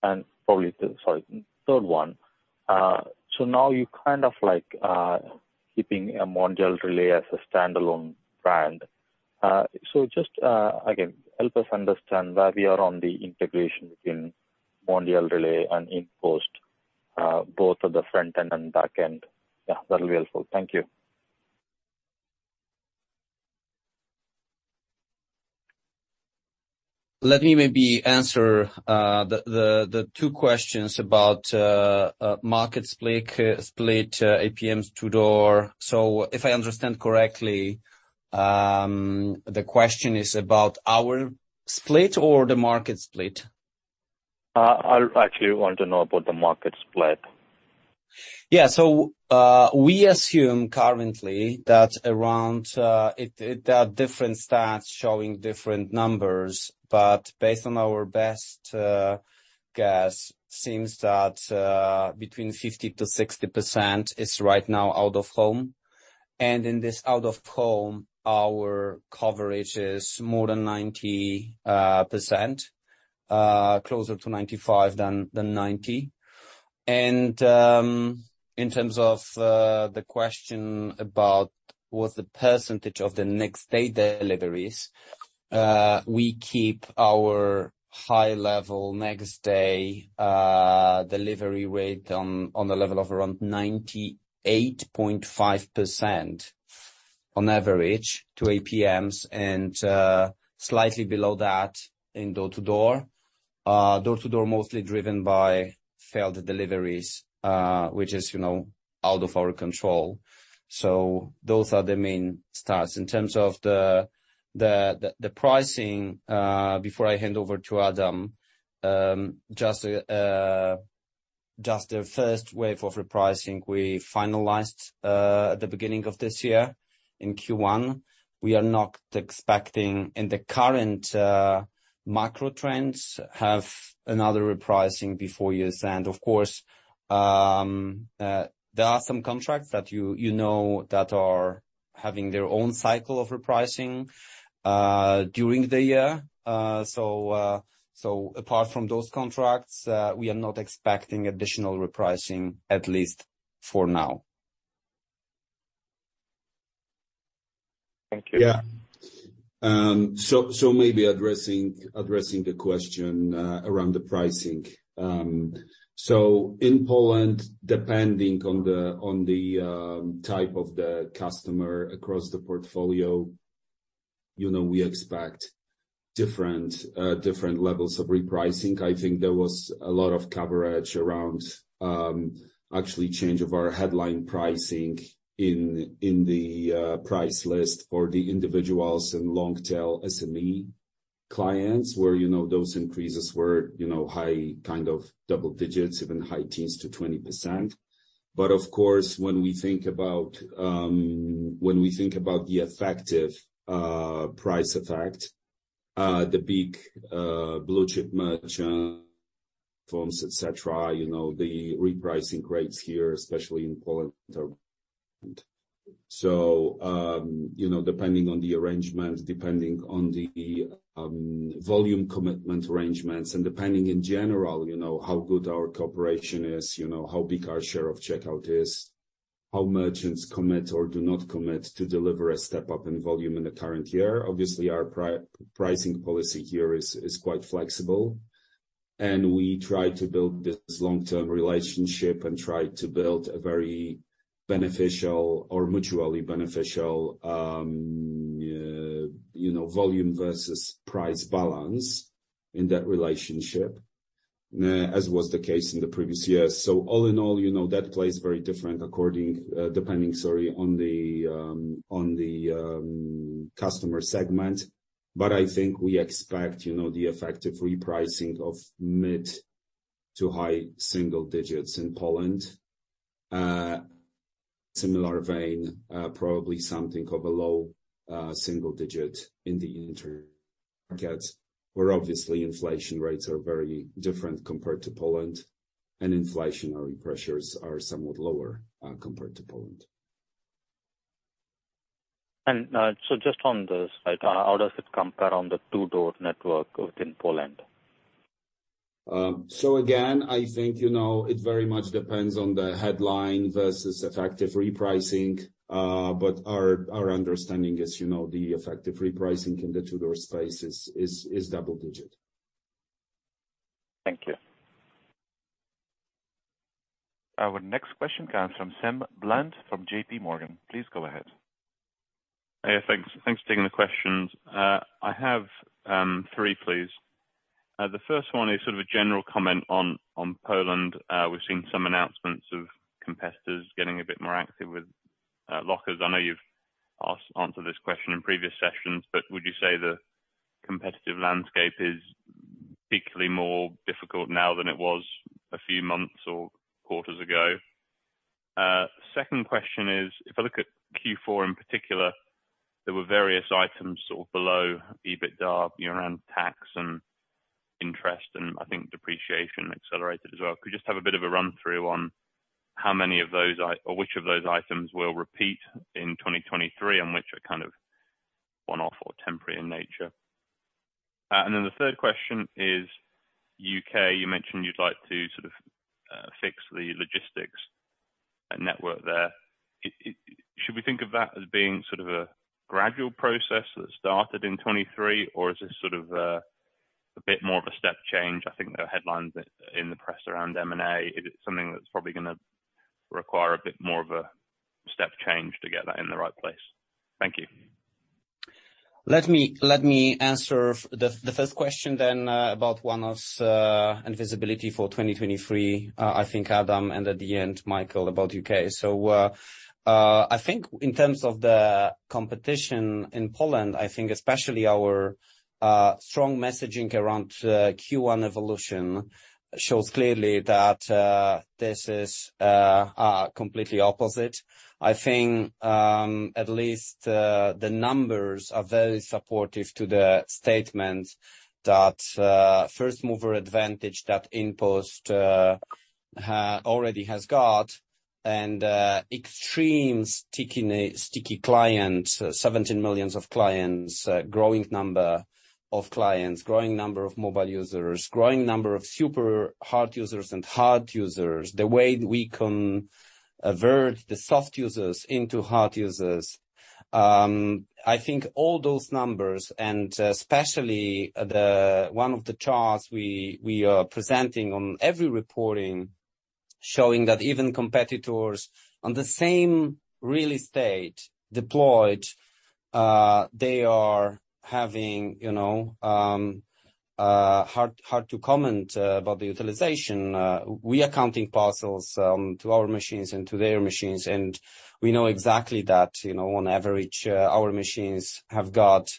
Probably, sorry, third one. Now you kind of like keeping Mondial Relay as a standalone brand. Just, again, help us understand where we are on the integration within Mondial Relay and InPost, both on the front end and back end. That'll be helpful. Thank you. Let me maybe answer, the two questions about, market split, APMs two door. If I understand correctly, the question is about our split or the market split? I actually want to know about the market split. Yeah. We assume currently that around it. There are different stats showing different numbers, but based on our best guess, seems that between 50%-60% is right now out of home. In this out of home, our coverage is more than 90%, closer to 95 than 90. In terms of the question about what's the percentage of the next-day deliveries, we keep our high level next-day delivery rate on the level of around 98.5% on average to APMs and slightly below that in door-to-door. Door-to-door mostly driven by failed deliveries, which is, you know, out of our control. Those are the main stats. In terms of the pricing, before I hand over to Adam, just the first wave of repricing we finalized at the beginning of this year in Q1. We are not expecting in the current macro trends, have another repricing before year's end. Of course, there are some contracts that you know, that are having their own cycle of repricing during the year. Apart from those contracts, we are not expecting additional repricing, at least for now. Thank you. Yeah. Maybe addressing the question around the pricing. In Poland, depending on the type of the customer across the portfolio, you know, we expect different levels of repricing. I think there was a lot of coverage around actually change of our headline pricing in the price list for the individuals in long-tail SME clients where, you know, those increases were, you know, high kind of double digits, even high teens to 20%. Of course, when we think about the effective price effect, the big blue chip merchant firms, et cetera, you know, the repricing rates here, especially in Poland are. You know, depending on the arrangement, depending on the volume commitment arrangements and depending in general, you know, how good our cooperation is, you know, how big our share of checkout is, how merchants commit or do not commit to deliver a step-up in volume in the current year. Obviously, our pricing policy here is quite flexible, and we try to build this long-term relationship and try to build a very beneficial or mutually beneficial, you know, volume versus price balance in that relationship, as was the case in the previous years. All in all, you know, that plays very different depending on the customer segment. I think we expect, you know, the effective repricing of mid to high single-digit % in Poland. Similar vein, probably something of a low, single digit in the markets where obviously inflation rates are very different compared to Poland, and inflationary pressures are somewhat lower, compared to Poland. Just on the site, how does it compare on the Locker-to-Door network within Poland? Again, I think, you know, it very much depends on the headline versus effective repricing. Our understanding is, you know, the effective repricing in the Locker-to-Door space is double digit. Thank you. Our next question comes from Sam Bland, from JPMorgan. Please go ahead. Hey, thanks. Thanks for taking the questions. I have 3, please. The first one is sort of a general comment on Poland. We've seen some announcements of competitors getting a bit more active with lockers. I know you've answered this question in previous sessions, but would you say the competitive landscape is particularly more difficult now than it was a few months or quarters ago? Second question is, if I look at Q4 in particular, there were various items sort of below EBITDA, you know, around tax and interest, and I think depreciation accelerated as well. Could you just have a bit of a run-through on how many of those or which of those items will repeat in 2023, and which are kind of one-off or temporary in nature? The third question is UK. You mentioned you'd like to sort of fix the logistics network there. Should we think of that as being sort of a gradual process that started in 2023, or is this sort of a bit more of a step change? I think there are headlines in the press around M&A. Is it something that's probably gonna require a bit more of a step change to get that in the right place? Thank you. Let me answer the first question then about one of invisibility for 2023. I think Adam, and at the end, Michael, about U.K. I think in terms of the competition in Poland, I think especially our strong messaging around Q1 evolution shows clearly that this is completely opposite. I think at least the numbers are very supportive to the statement that first mover advantage that InPost already has got and extreme sticky client, 17 million of clients, a growing number of clients, growing number of mobile users, growing number of super hard users and hard users. The way we can avert the soft users into hard users. numbers, and especially the one of the charts we are presenting on every reporting showing that even competitors on the same real estate deployed, they are having, you know, hard to comment about the utilization. We are counting parcels to our machines and to their machines, and we know exactly that, you know, on average, our machines have got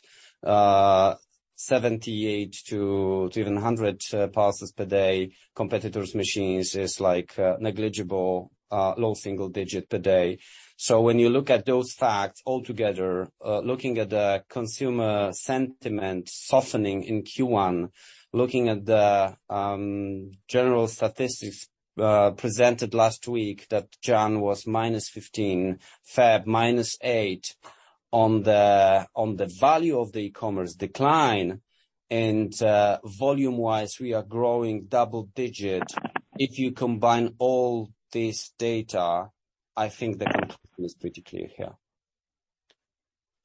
78 to even 100 parcels per day. Competitors' machines is like negligible, low single digit per day. When you look at those facts altogether, looking at the consumer sentiment softening in Q1, looking at the general statistics presented last week that January was -15%, February -8% on the value of the e-commerce decline. Volume-wise, we are growing double digit If you combine all this data, I think the conclusion is pretty clear here.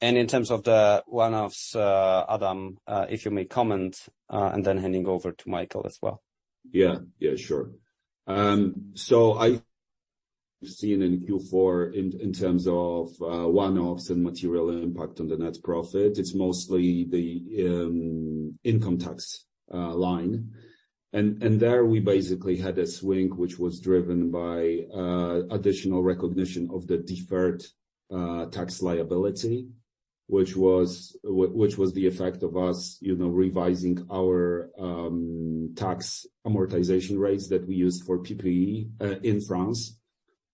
In terms of the one-offs, Adam, if you may comment, and then handing over to Michael as well. Yeah, yeah, sure. We've seen in Q4 in terms of one-offs and material impact on the net profit, it's mostly the income tax line. There we basically had a swing which was driven by additional recognition of the deferred tax liability, which was the effect of us, you know, revising our tax amortization rates that we used for PPE in France.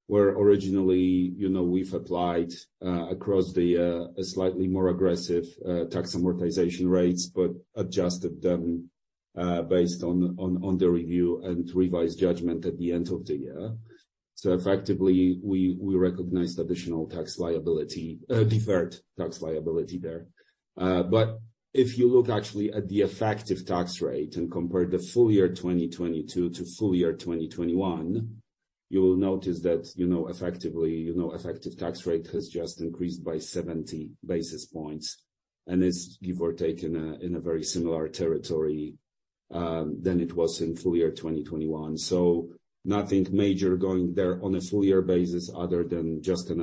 Where originally, you know, we've applied across the a slightly more aggressive tax amortization rates, but adjusted them based on the review and revised judgment at the end of the year. Effectively, we recognized additional tax liability, deferred tax liability there. If you look actually at the effective tax rate and compare the full year 2022 to full year 2021, you will notice that, you know, effectively, effective tax rate has just increased by 70 basis points. It's give or take in a very similar territory than it was in full year 2021. Nothing major going there on a full year basis other than just an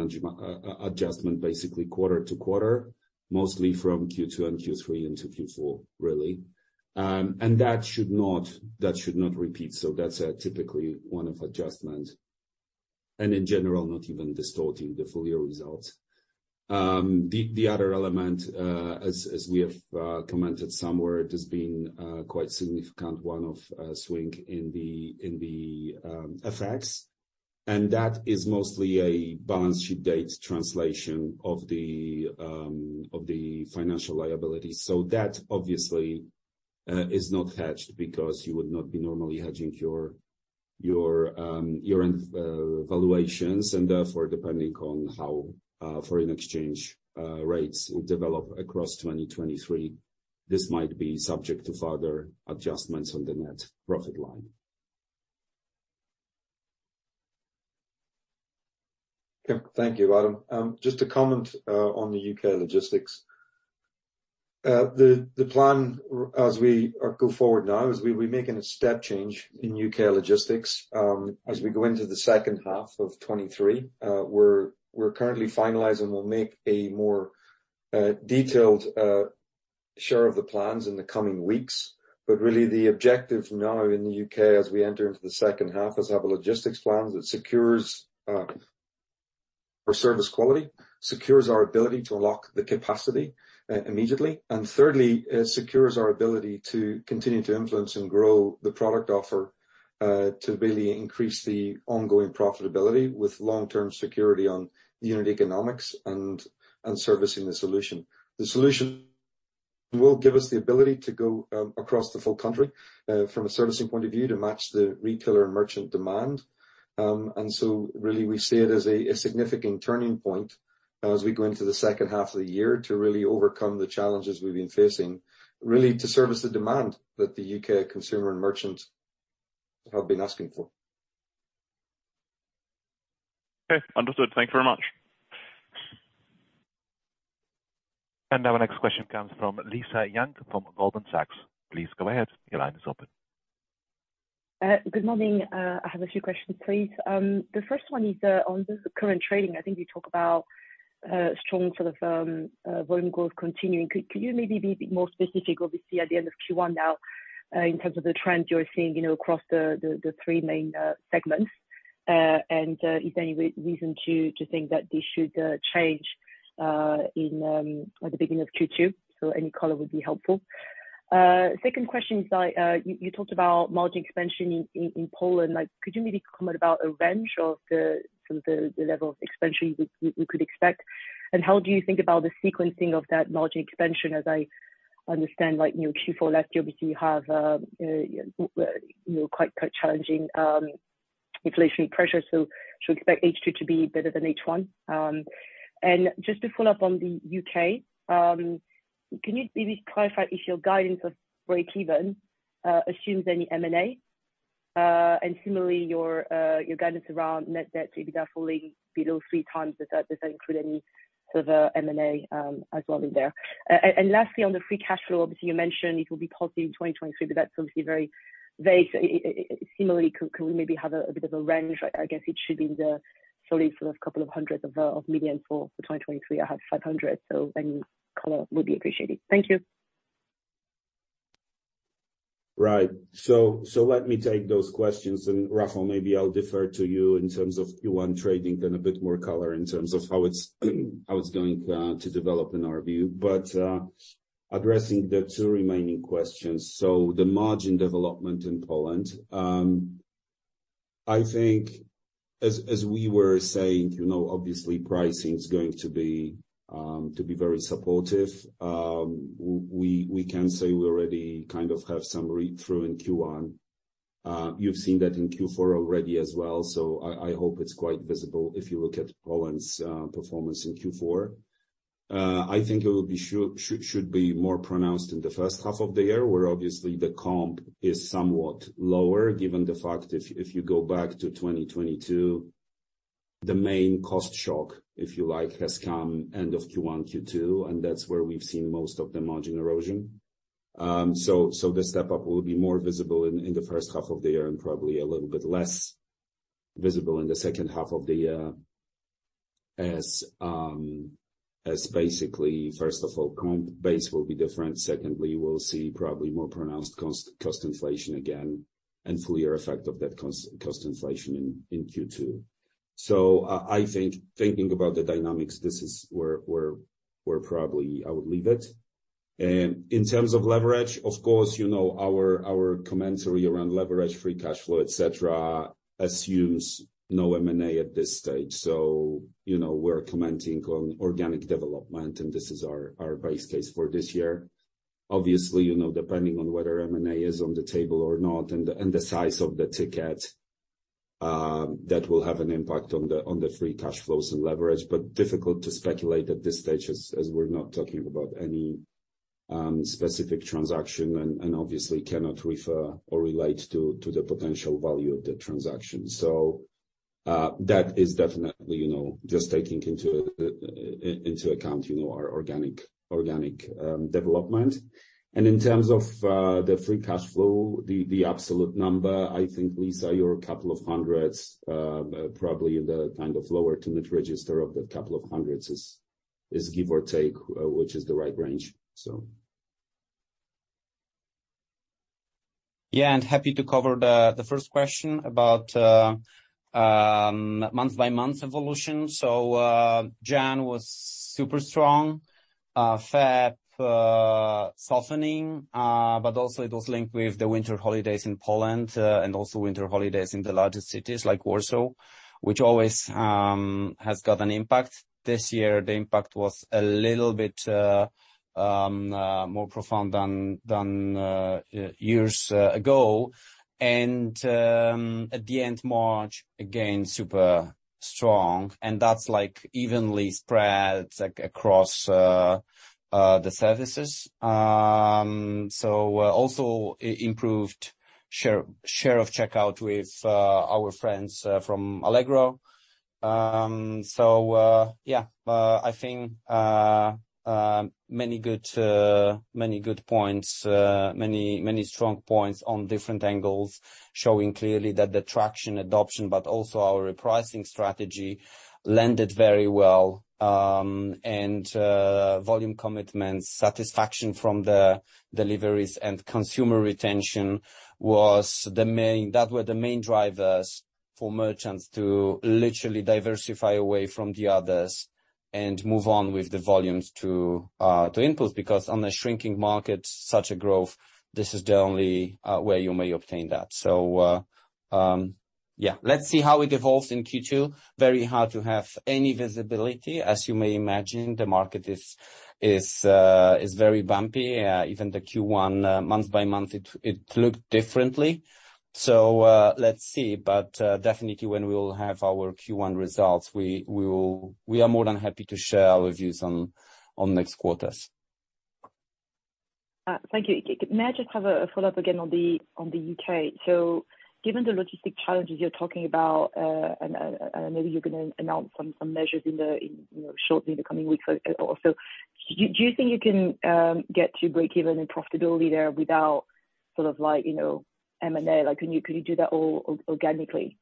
adjustment, basically quarter to quarter, mostly from Q2 and Q3 into Q4, really. And that should not repeat. That's typically one of adjustment, and in general, not even distorting the full year results. The other element, as we have commented somewhere, it has been quite significant one of swing in the FX. That is mostly a balance sheet date translation of the of the financial liability. That obviously is not hedged because you would not be normally hedging your, your valuations. Therefore, depending on how foreign exchange rates will develop across 2023, this might be subject to further adjustments on the net profit line. Okay. Thank you, Adam. Just to comment on the UK logistics. The plan as we go forward now is we're making a step change in UK logistics as we go into the second half of 2023. We're currently finalizing, we'll make a more detailed share of the plans in the coming weeks. Really the objective now in the UK as we enter into the second half is have a logistics plan that secures our service quality, secures our ability to unlock the capacity immediately. Thirdly, it secures our ability to continue to influence and grow the product offer to really increase the ongoing profitability with long-term security on the unit economics and servicing the solution. The solution will give us the ability to go across the full country from a servicing point of view to match the retailer and merchant demand. Really we see it as a significant turning point as we go into the second half of the year to really overcome the challenges we've been facing, really to service the demand that the U.K. consumer and merchant have been asking for. Okay. Understood. Thank you very much. Our next question comes from Lisa Yang from Goldman Sachs. Please go ahead. Your line is open. Good morning. I have a few questions, please. The first one is on just the current trading. I think you talk about strong sort of volume growth continuing. Could you maybe be more specific, obviously, at the end of Q1 now, in terms of the trends you're seeing, you know, across the three main segments? Is there any reason to think that this should change in at the beginning of Q2? Any color would be helpful. Second question is I, you talked about margin expansion in Poland. Like, could you maybe comment about a range of the sort of the level of expansion we could expect? How do you think about the sequencing of that margin expansion as I understand, like, you know, Q4 last year, obviously you have, you know, quite challenging, inflationary pressures, so should expect H2 to be better than H1. Just to follow up on the UK, can you maybe clarify if your guidance of breakeven assumes any M&A? Similarly, your guidance around net debt, maybe that falling below 3 times, does that include any sort of M&A as well in there? Lastly, on the free cash flow, obviously you mentioned it will be positive in 2023, but that's obviously very vague. Similarly, can we maybe have a bit of a range? I guess it should be in the solely sort of 200 million for 2023. I have 500 million. Any color would be appreciated. Thank you. Right. Let me take those questions. Rafał, maybe I'll defer to you in terms of Q1 trading, then a bit more color in terms of how it's, how it's going to develop in our view. Addressing the two remaining questions. The margin development in Poland, I think as we were saying, you know, obviously pricing is going to be very supportive. We can say we already kind of have some read-through in Q1. You've seen that in Q4 already as well, I hope it's quite visible if you look at Poland's performance in Q4. I think it will be should be more pronounced in the first half of the year, where obviously the comp is somewhat lower given the fact if you go back to 2022, the main cost shock, if you like, has come end of Q1, Q2, and that's where we've seen most of the margin erosion. The step-up will be more visible in the first half of the year and probably a little bit less visible in the second half of the year as basically, first of all, comp base will be different. Secondly, we'll see probably more pronounced cost inflation again, and full year effect of that cost inflation in Q2. I think thinking about the dynamics, this is where probably I would leave it. In terms of leverage, of course, you know, our commentary around leverage, free cash flow, et cetera, assumes no M&A at this stage. You know, we're commenting on organic development, and this is our base case for this year. Obviously, you know, depending on whether M&A is on the table or not and the size of the ticket, that will have an impact on the free cash flows and leverage. Difficult to speculate at this stage as we're not talking about any specific transaction and obviously cannot refer or relate to the potential value of the transaction. That is definitely, you know, just taking into account, you know, our organic development. In terms of the free cash flow, the absolute number, I think, Lisa, you're a couple of hundreds PLN, probably in the kind of lower to mid register of the couple of hundreds PLN is give or take, which is the right range. Yeah. Happy to cover the first question about month-by-month evolution. Jan was super strong. Feb softening, but also it was linked with the winter holidays in Poland, and also winter holidays in the largest cities like Warsaw, which always has got an impact. This year, the impact was a little bit more profound than years ago. At the end March, again, super strong, and that's like evenly spread like across the services. Improved share of checkout with our friends from Allegro. I think many good points, many strong points on different angles, showing clearly that the traction adoption, but also our repricing strategy landed very well. volume commitments, satisfaction from the deliveries and consumer retention that were the main drivers for merchants to literally diversify away from the others and move on with the volumes to InPost. Because on a shrinking market, such a growth, this is the only way you may obtain that. yeah, let's see how it evolves in Q2. Very hard to have any visibility. As you may imagine, the market is very bumpy. Even the Q1 month by month, it looked differently. let's see. definitely when we will have our Q1 results, we are more than happy to share our views on next quarters. Thank you. May I just have a follow-up again on the UK? Given the logistic challenges you're talking about, and maybe you're gonna announce some measures in, you know, shortly in the coming weeks or so, do you think you can get to break even in profitability there without sort of like, you know, M&A? Like, can you do that all organically?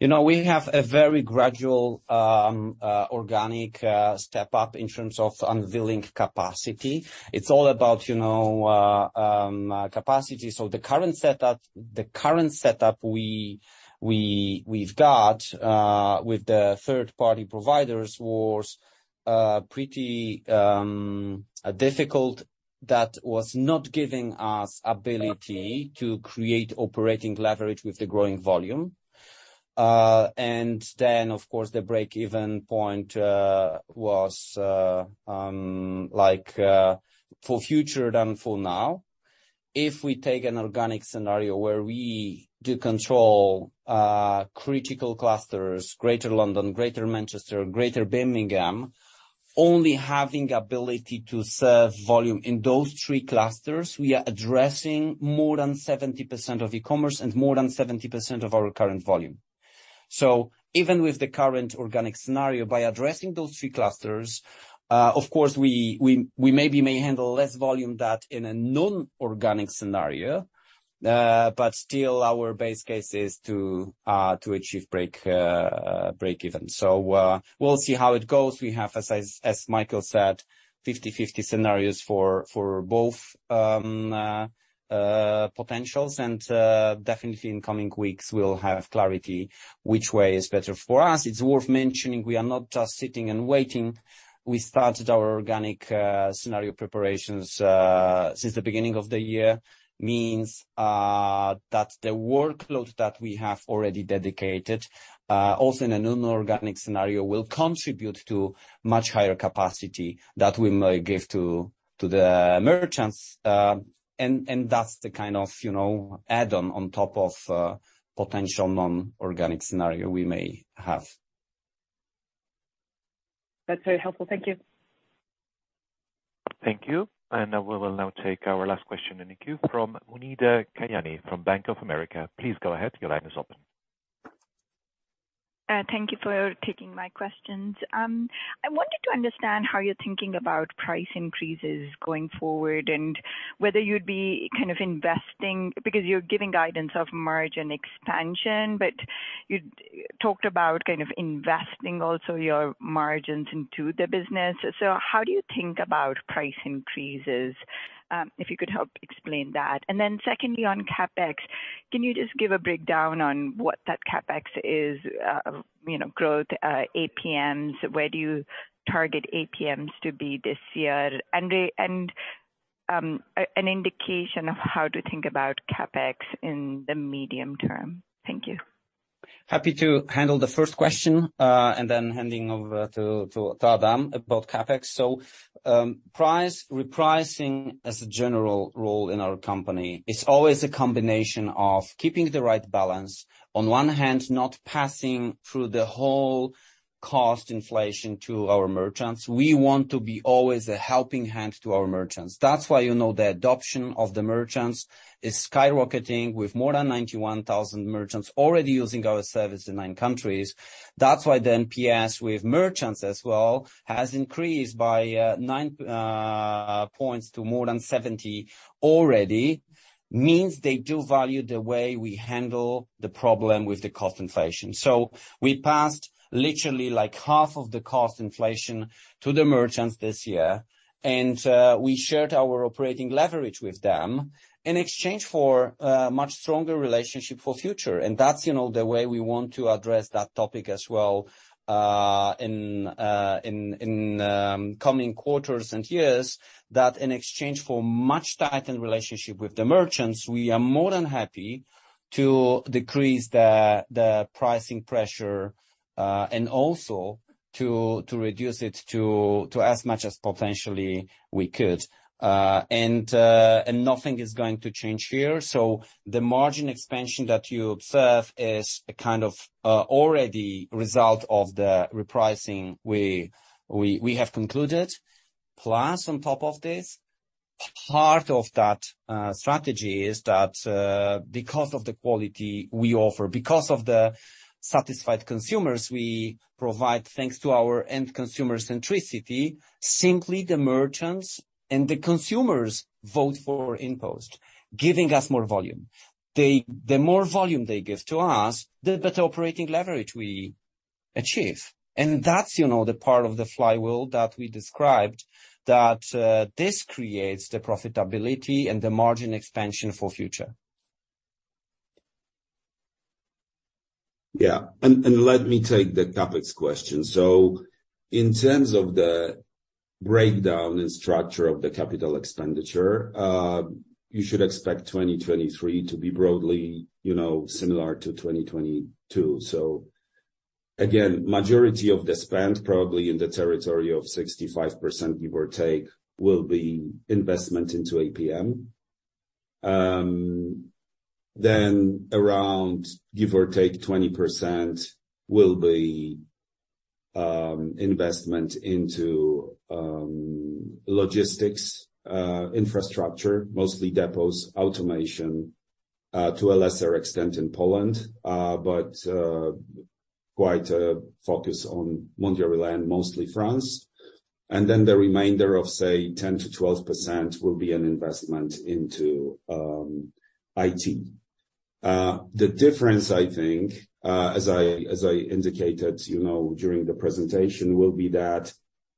You know, we have a very gradual organic step-up in terms of unveiling capacity. It's all about, you know, capacity. The current setup we've got with the third-party providers was pretty difficult. That was not giving us ability to create operating leverage with the growing volume. And then, of course, the break-even point was like for future than for now. If we take an organic scenario where we do control critical clusters, Greater London, Greater Manchester, Greater Birmingham, only having ability to serve volume in those three clusters, we are addressing more than 70% of e-commerce and more than 70% of our current volume. Even with the current organic scenario, by addressing those three clusters, of course, we maybe may handle less volume that in a non-organic scenario, but still our base case is to achieve break even. We'll see how it goes. We have, as Michael said, 50/50 scenarios for both potentials. Definitely in coming weeks we'll have clarity which way is better for us. It's worth mentioning, we are not just sitting and waiting. We started our organic scenario preparations since the beginning of the year. Means that the workload that we have already dedicated also in a non-organic scenario, will contribute to much higher capacity that we may give to the merchants. That's the kind of, you know, add-on on top of potential non-organic scenario we may have. That's very helpful. Thank you. Thank you. We will now take our last question in the queue from Muneeba Kayani from Bank of America. Please go ahead. Your line is open. Thank you for taking my questions. I wanted to understand how you're thinking about price increases going forward and whether you'd be kind of investing, because you're giving guidance of margin expansion, but you talked about kind of investing also your margins into the business. How do you think about price increases? If you could help explain that. Secondly, on CapEx, can you just give a breakdown on what that CapEx is, you know, growth, APMs? Where do you target APMs to be this year? An indication of how to think about CapEx in the medium term. Thank you. Happy to handle the first question, and then handing over to Adam about CapEx. Price repricing as a general role in our company is always a combination of keeping the right balance, on one hand, not passing through the whole cost inflation to our merchants. We want to be always a helping hand to our merchants. That's why you know the adoption of the merchants is skyrocketing with more than 91,000 merchants already using our service in 9 countries. That's why the NPS with merchants as well has increased by 9 points to more than 70 already. Means they do value the way we handle the problem with the cost inflation. We passed literally like half of the cost inflation to the merchants this year, and we shared our operating leverage with them in exchange for much stronger relationship for future. That's, you know, the way we want to address that topic as well in coming quarters and years, that in exchange for much tightened relationship with the merchants, we are more than happy to decrease the pricing pressure, and also to reduce it to as much as potentially we could. Nothing is going to change here. The margin expansion that you observe is a kind of already result of the repricing we have concluded. Plus, on top of this, part of that strategy is that because of the quality we offer, because of the satisfied consumers we provide, thanks to our end consumer centricity, simply the merchants and the consumers vote for InPost, giving us more volume. The more volume they give to us, the better operating leverage we achieve. That's, you know, the part of the flywheel that we described, that this creates the profitability and the margin expansion for future. Let me take the CapEx question. In terms of the breakdown and structure of the capital expenditure, you should expect 2023 to be broadly, you know, similar to 2022. Again, majority of the spend, probably in the territory of 65% give or take, will be investment into APM. Then around give or take 20% will be investment into logistics infrastructure, mostly depots, automation, to a lesser extent in Poland, but quite a focus on Mondial Relay and mostly France. The remainder of, say, 10%-12% will be an investment into IT. The difference I think, as I indicated, you know, during the presentation, will be that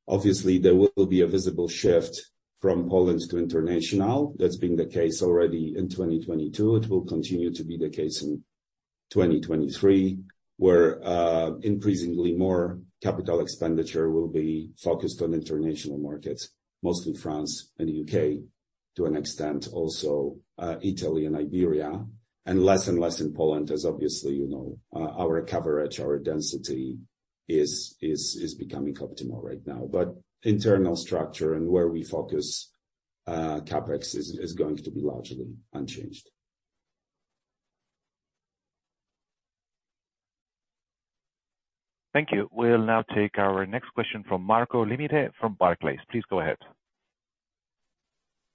obviously there will be a visible shift from Poland to international. That's been the case already in 2022. It will continue to be the case in 2023, where increasingly more capital expenditure will be focused on international markets, mostly France and UK, to an extent also Italy and Iberia, and less and less in Poland as obviously, you know, our coverage, our density is becoming optimal right now. Internal structure and where we focus CapEx is going to be largely unchanged. Thank you. We'll now take our next question from Marco Limite from Barclays. Please go ahead.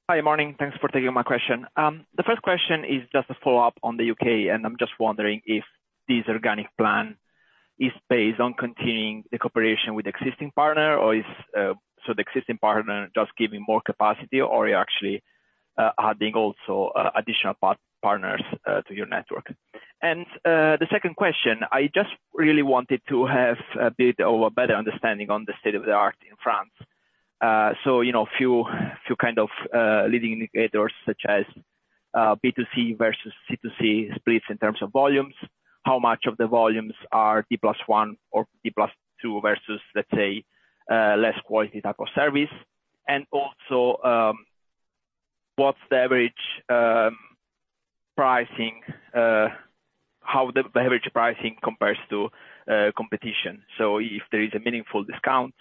Hi. Morning. Thanks for taking my question. The first question is just a follow-up on the U.K., and I'm just wondering if this organic plan is based on continuing the cooperation with existing partner or the existing partner just giving more capacity or you actually adding also additional partners to your network? The second question, I just really wanted to have a bit of a better understanding on the state of the art in France. So, you know, a few kind of leading indicators such as B2C versus C2C splits in terms of volumes, how much of the volumes are D+1 or D+2 versus, let's say, less quality type of service. Also, what's the average pricing, how the average pricing compares to competition. If there is a meaningful discount,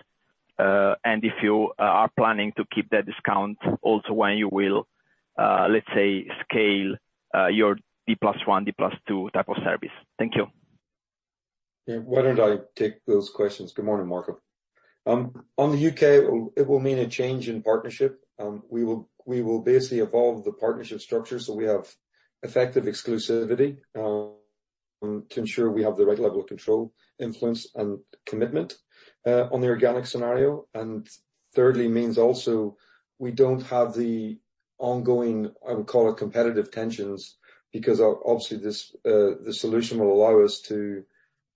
and if you are planning to keep that discount also when you will, let's say, scale, your D plus one, D plus two type of service. Thank you. Yeah, why don't I take those questions? Good morning, Marco. On the UK, it will mean a change in partnership. We will basically evolve the partnership structure so we have effective exclusivity, to ensure we have the right level of control, influence and commitment, on the organic scenario. Thirdly, means also we don't have the ongoing, I would call it competitive tensions, because obviously this solution will allow us to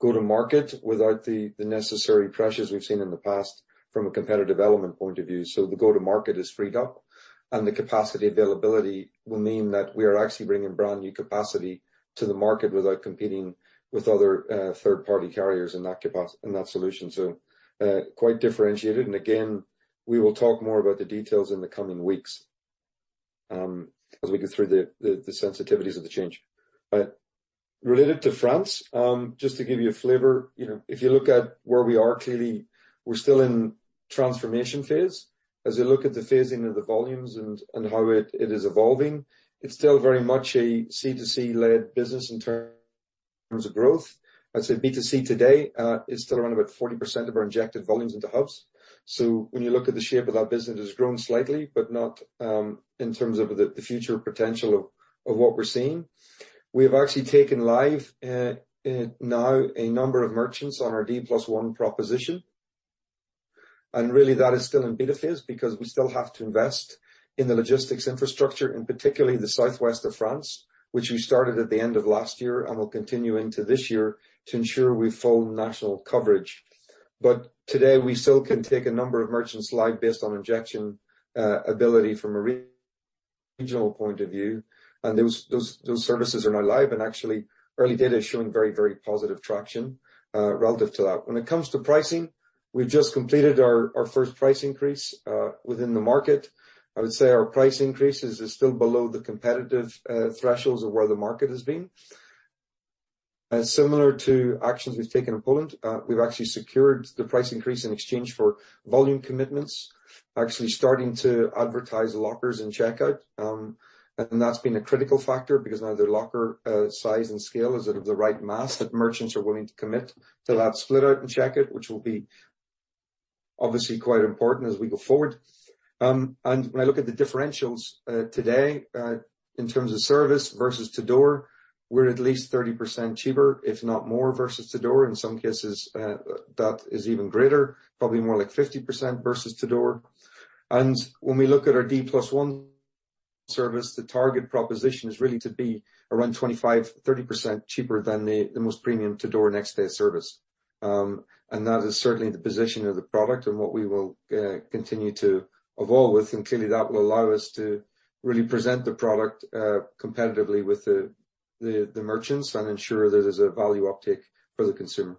go to market without the necessary pressures we've seen in the past from a competitive element point of view. The go-to-market is freed up and the capacity availability will mean that we are actually bringing brand new capacity to the market without competing with other third party carriers in that in that solution. Quite differentiated. Again, we will talk more about the details in the coming weeks, as we go through the sensitivities of the change. Related to France, just to give you a flavor, you know, if you look at where we are, clearly we're still in transformation phase. As we look at the phasing of the volumes and how it is evolving, it's still very much a C2C led business in terms of growth. I'd say B2C today is still around about 40% of our injected volumes into hubs. When you look at the shape of that business, it has grown slightly, but not in terms of the future potential of what we're seeing. We have actually taken live now a number of merchants on our D+1 proposition. Really that is still in beta phase because we still have to invest in the logistics infrastructure, and particularly the southwest of France, which we started at the end of last year and will continue into this year to ensure we've full national coverage. Today we still can take a number of merchants live based on injection ability from a re-regional point of view. Those services are now live and actually early data is showing very, very positive traction relative to that. When it comes to pricing, we've just completed our first price increase within the market. I would say our price increases is still below the competitive thresholds of where the market has been. As similar to actions we've taken in Poland, we've actually secured the price increase in exchange for volume commitments, actually starting to advertise lockers in checkout. That's been a critical factor because now their locker size and scale is of the right mass that merchants are willing to commit to that split out in checkout, which will be obviously quite important as we go forward. When I look at the differentials today, in terms of service versus to door, we're at least 30% cheaper, if not more, versus to door. In some cases, that is even greater, probably more like 50% versus to door. When we look at our D+1 service, the target proposition is really to be around 25%, 30% cheaper than the most premium to door next day service. That is certainly the position of the product and what we will continue to evolve with. Clearly that will allow us to really present the product competitively with the merchants and ensure that there's a value uptick for the consumer.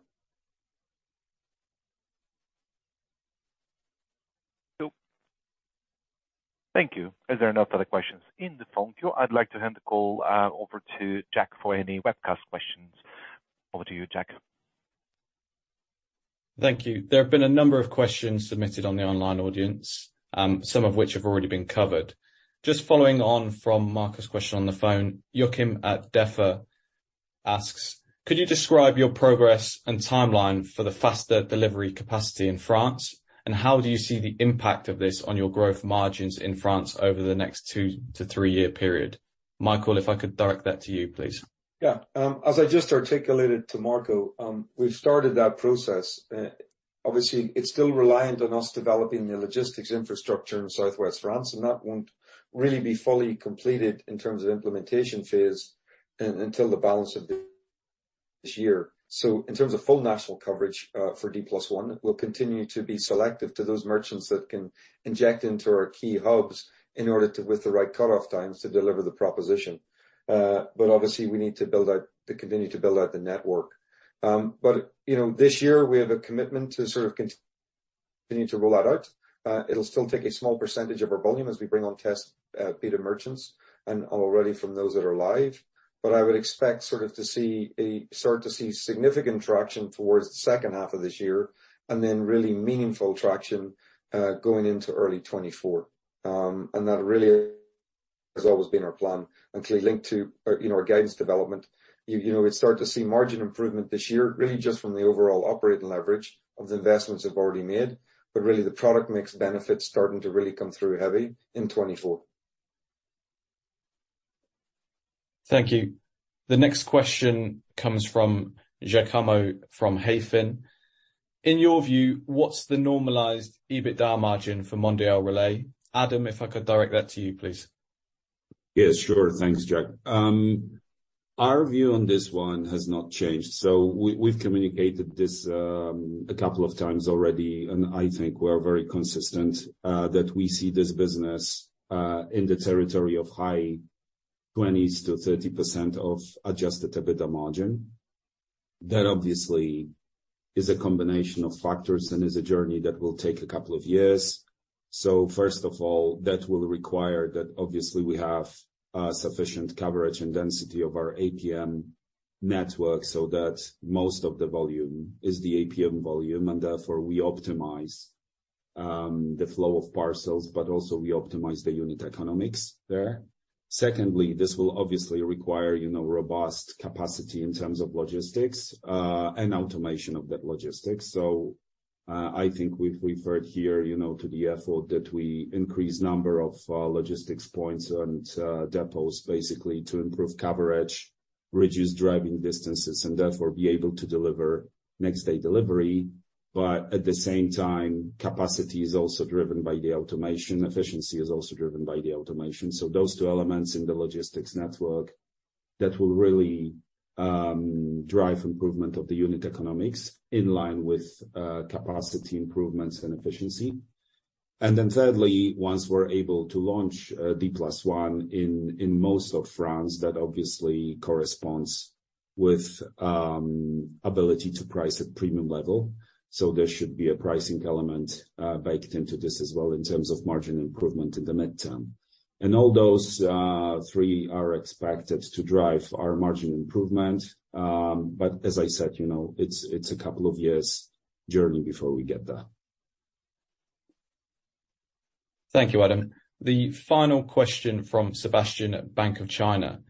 Thank you. As there are no further questions in the phone queue, I'd like to hand the call over to Jack for any webcast questions. Over to you, Jack. Thank you. There have been a number of questions submitted on the online audience, some of which have already been covered. Just following on from Marco's question on the phone, Joachim at Defa asks: Could you describe your progress and timeline for the faster delivery capacity in France? How do you see the impact of this on your growth margins in France over the next two to three-year period? Michael, if I could direct that to you, please. As I just articulated to Marco, we've started that process. Obviously it's still reliant on us developing the logistics infrastructure in southwest France, and that won't really be fully completed in terms of implementation phase until the balance of this year. In terms of full national coverage, for D+1, we'll continue to be selective to those merchants that can inject into our key hubs in order to, with the right cut-off times, to deliver the proposition. Obviously we need to continue to build out the network. You know, this year we have a commitment to sort of continue to roll that out. It'll still take a small percentage of our volume as we bring on test, beta merchants and already from those that are live. I would expect sort of to see start to see significant traction towards the second half of this year and then really meaningful traction going into early 2024. That really has always been our plan, and clearly linked to, you know, our guidance development. You know, we start to see margin improvement this year, really just from the overall operating leverage of the investments we've already made, but really the product mix benefits starting to really come through heavy in 2024. Thank you. The next question comes from Giacomo, from Hayfin. In your view, what's the normalized EBITDA margin for Mondial Relay? Adam, if I could direct that to you, please. Yes, sure. Thanks, Jack. Our view on this one has not changed. We've communicated this a couple of times already, and I think we're very consistent that we see this business in the territory of high 20s-30% of adjusted EBITDA margin. That obviously is a combination of factors and is a journey that will take a couple of years. First of all, that will require that obviously we have sufficient coverage and density of our APM network so that most of the volume is the APM volume, and therefore. The flow of parcels, but also we optimize the unit economics there. This will obviously require, you know, robust capacity in terms of logistics and automation of that logistics. I think we've referred here, you know, to the effort that we increase number of logistics points and depots basically to improve coverage, reduce driving distances, and therefore be able to deliver next-day delivery. At the same time, capacity is also driven by the automation. Efficiency is also driven by the automation. Those two elements in the logistics network, that will really drive improvement of the unit economics in line with capacity improvements and efficiency. Thirdly, once we're able to launch D+1 in most of France, that obviously corresponds with ability to price at premium level. There should be a pricing element, baked into this as well in terms of margin improvement in the midterm. All those, 3 are expected to drive our margin improvement. As I said, you know, it's a couple of years journey before we get there. Thank you, Adam. The final question from Sebastian at Bank of China.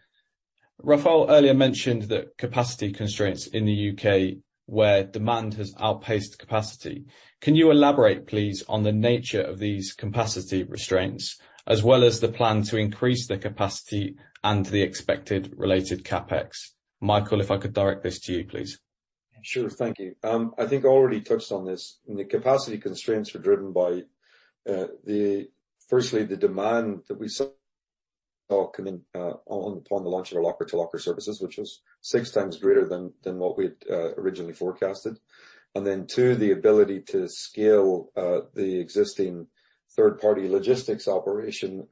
Rafał earlier mentioned the capacity constraints in the UK, where demand has outpaced capacity. Can you elaborate, please, on the nature of these capacity restraints, as well as the plan to increase the capacity and the expected related CapEx? Michael, if I could direct this to you, please. Sure. Thank you. I think I already touched on this. The capacity constraints are driven by firstly, the demand that we saw coming on, upon the launch of the Locker-to-Locker services, which was 6 times greater than what we'd originally forecasted. 2, the ability to scale the existing third-party logistics operation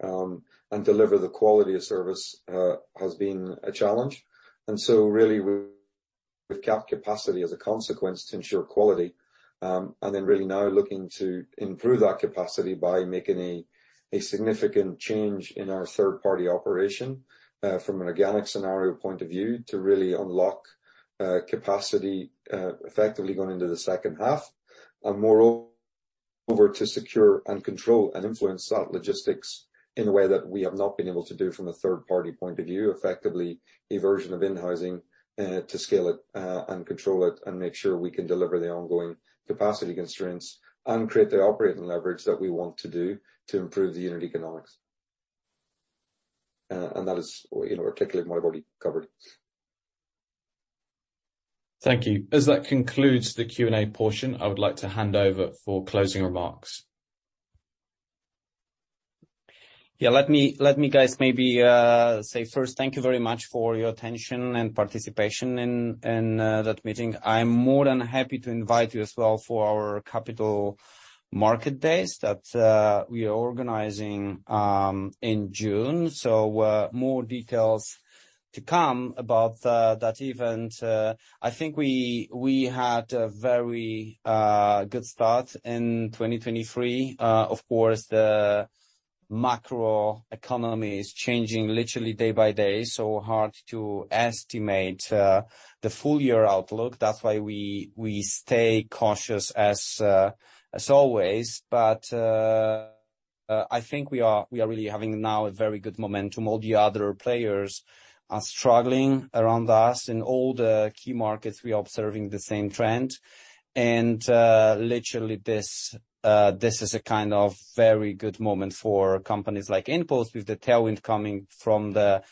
and deliver the quality of service has been a challenge. Really we've capped capacity as a consequence to ensure quality. Really now looking to improve that capacity by making a significant change in our third-party operation from an organic scenario point of view, to really unlock capacity effectively going into the second half. Moreover, to secure and control and influence that logistics in a way that we have not been able to do from a third-party point of view, effectively a version of in-housing, to scale it, and control it, and make sure we can deliver the ongoing capacity constraints and create the operating leverage that we want to do to improve the unit economics. That is, you know, articulate what I've already covered. Thank you. As that concludes the Q&A portion, I would like to hand over for closing remarks. Yeah. Let me guys maybe say first, thank you very much for your attention and participation in that meeting. I'm more than happy to invite you as well for our Capital Markets Day that we are organizing in June. More details to come about that event. I think we had a very good start in 2023. Of course, the macro economy is changing literally day by day, so hard to estimate the full year outlook. That's why we stay cautious as always. I think we are really having now a very good momentum. All the other players are struggling around us. In all the key markets, we are observing the same trend. Literally this is a kind of very good moment for companies like InPost, with the tailwind coming from the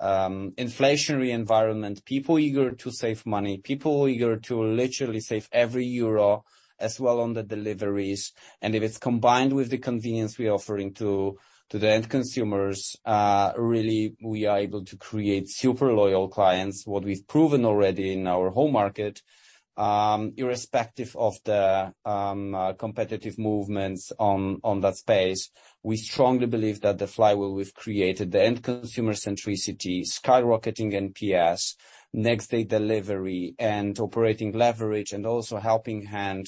inflationary environment. People eager to save money, people eager to literally save every euro as well on the deliveries. If it's combined with the convenience we're offering to the end consumers, really we are able to create super loyal clients. What we've proven already in our home market, irrespective of the competitive movements on that space. We strongly believe that the flywheel we've created, the end consumer centricity, skyrocketing NPS, next day delivery and operating leverage and also helping hand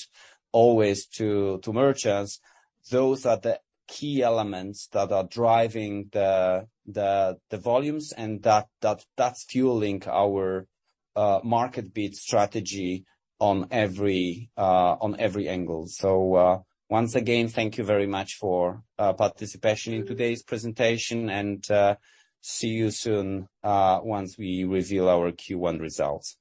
always to merchants. Those are the key elements that are driving the volumes and that's fueling our market beat strategy on every angle. Once again, thank you very much for participation in today's presentation. See you soon, once we reveal our Q1 results.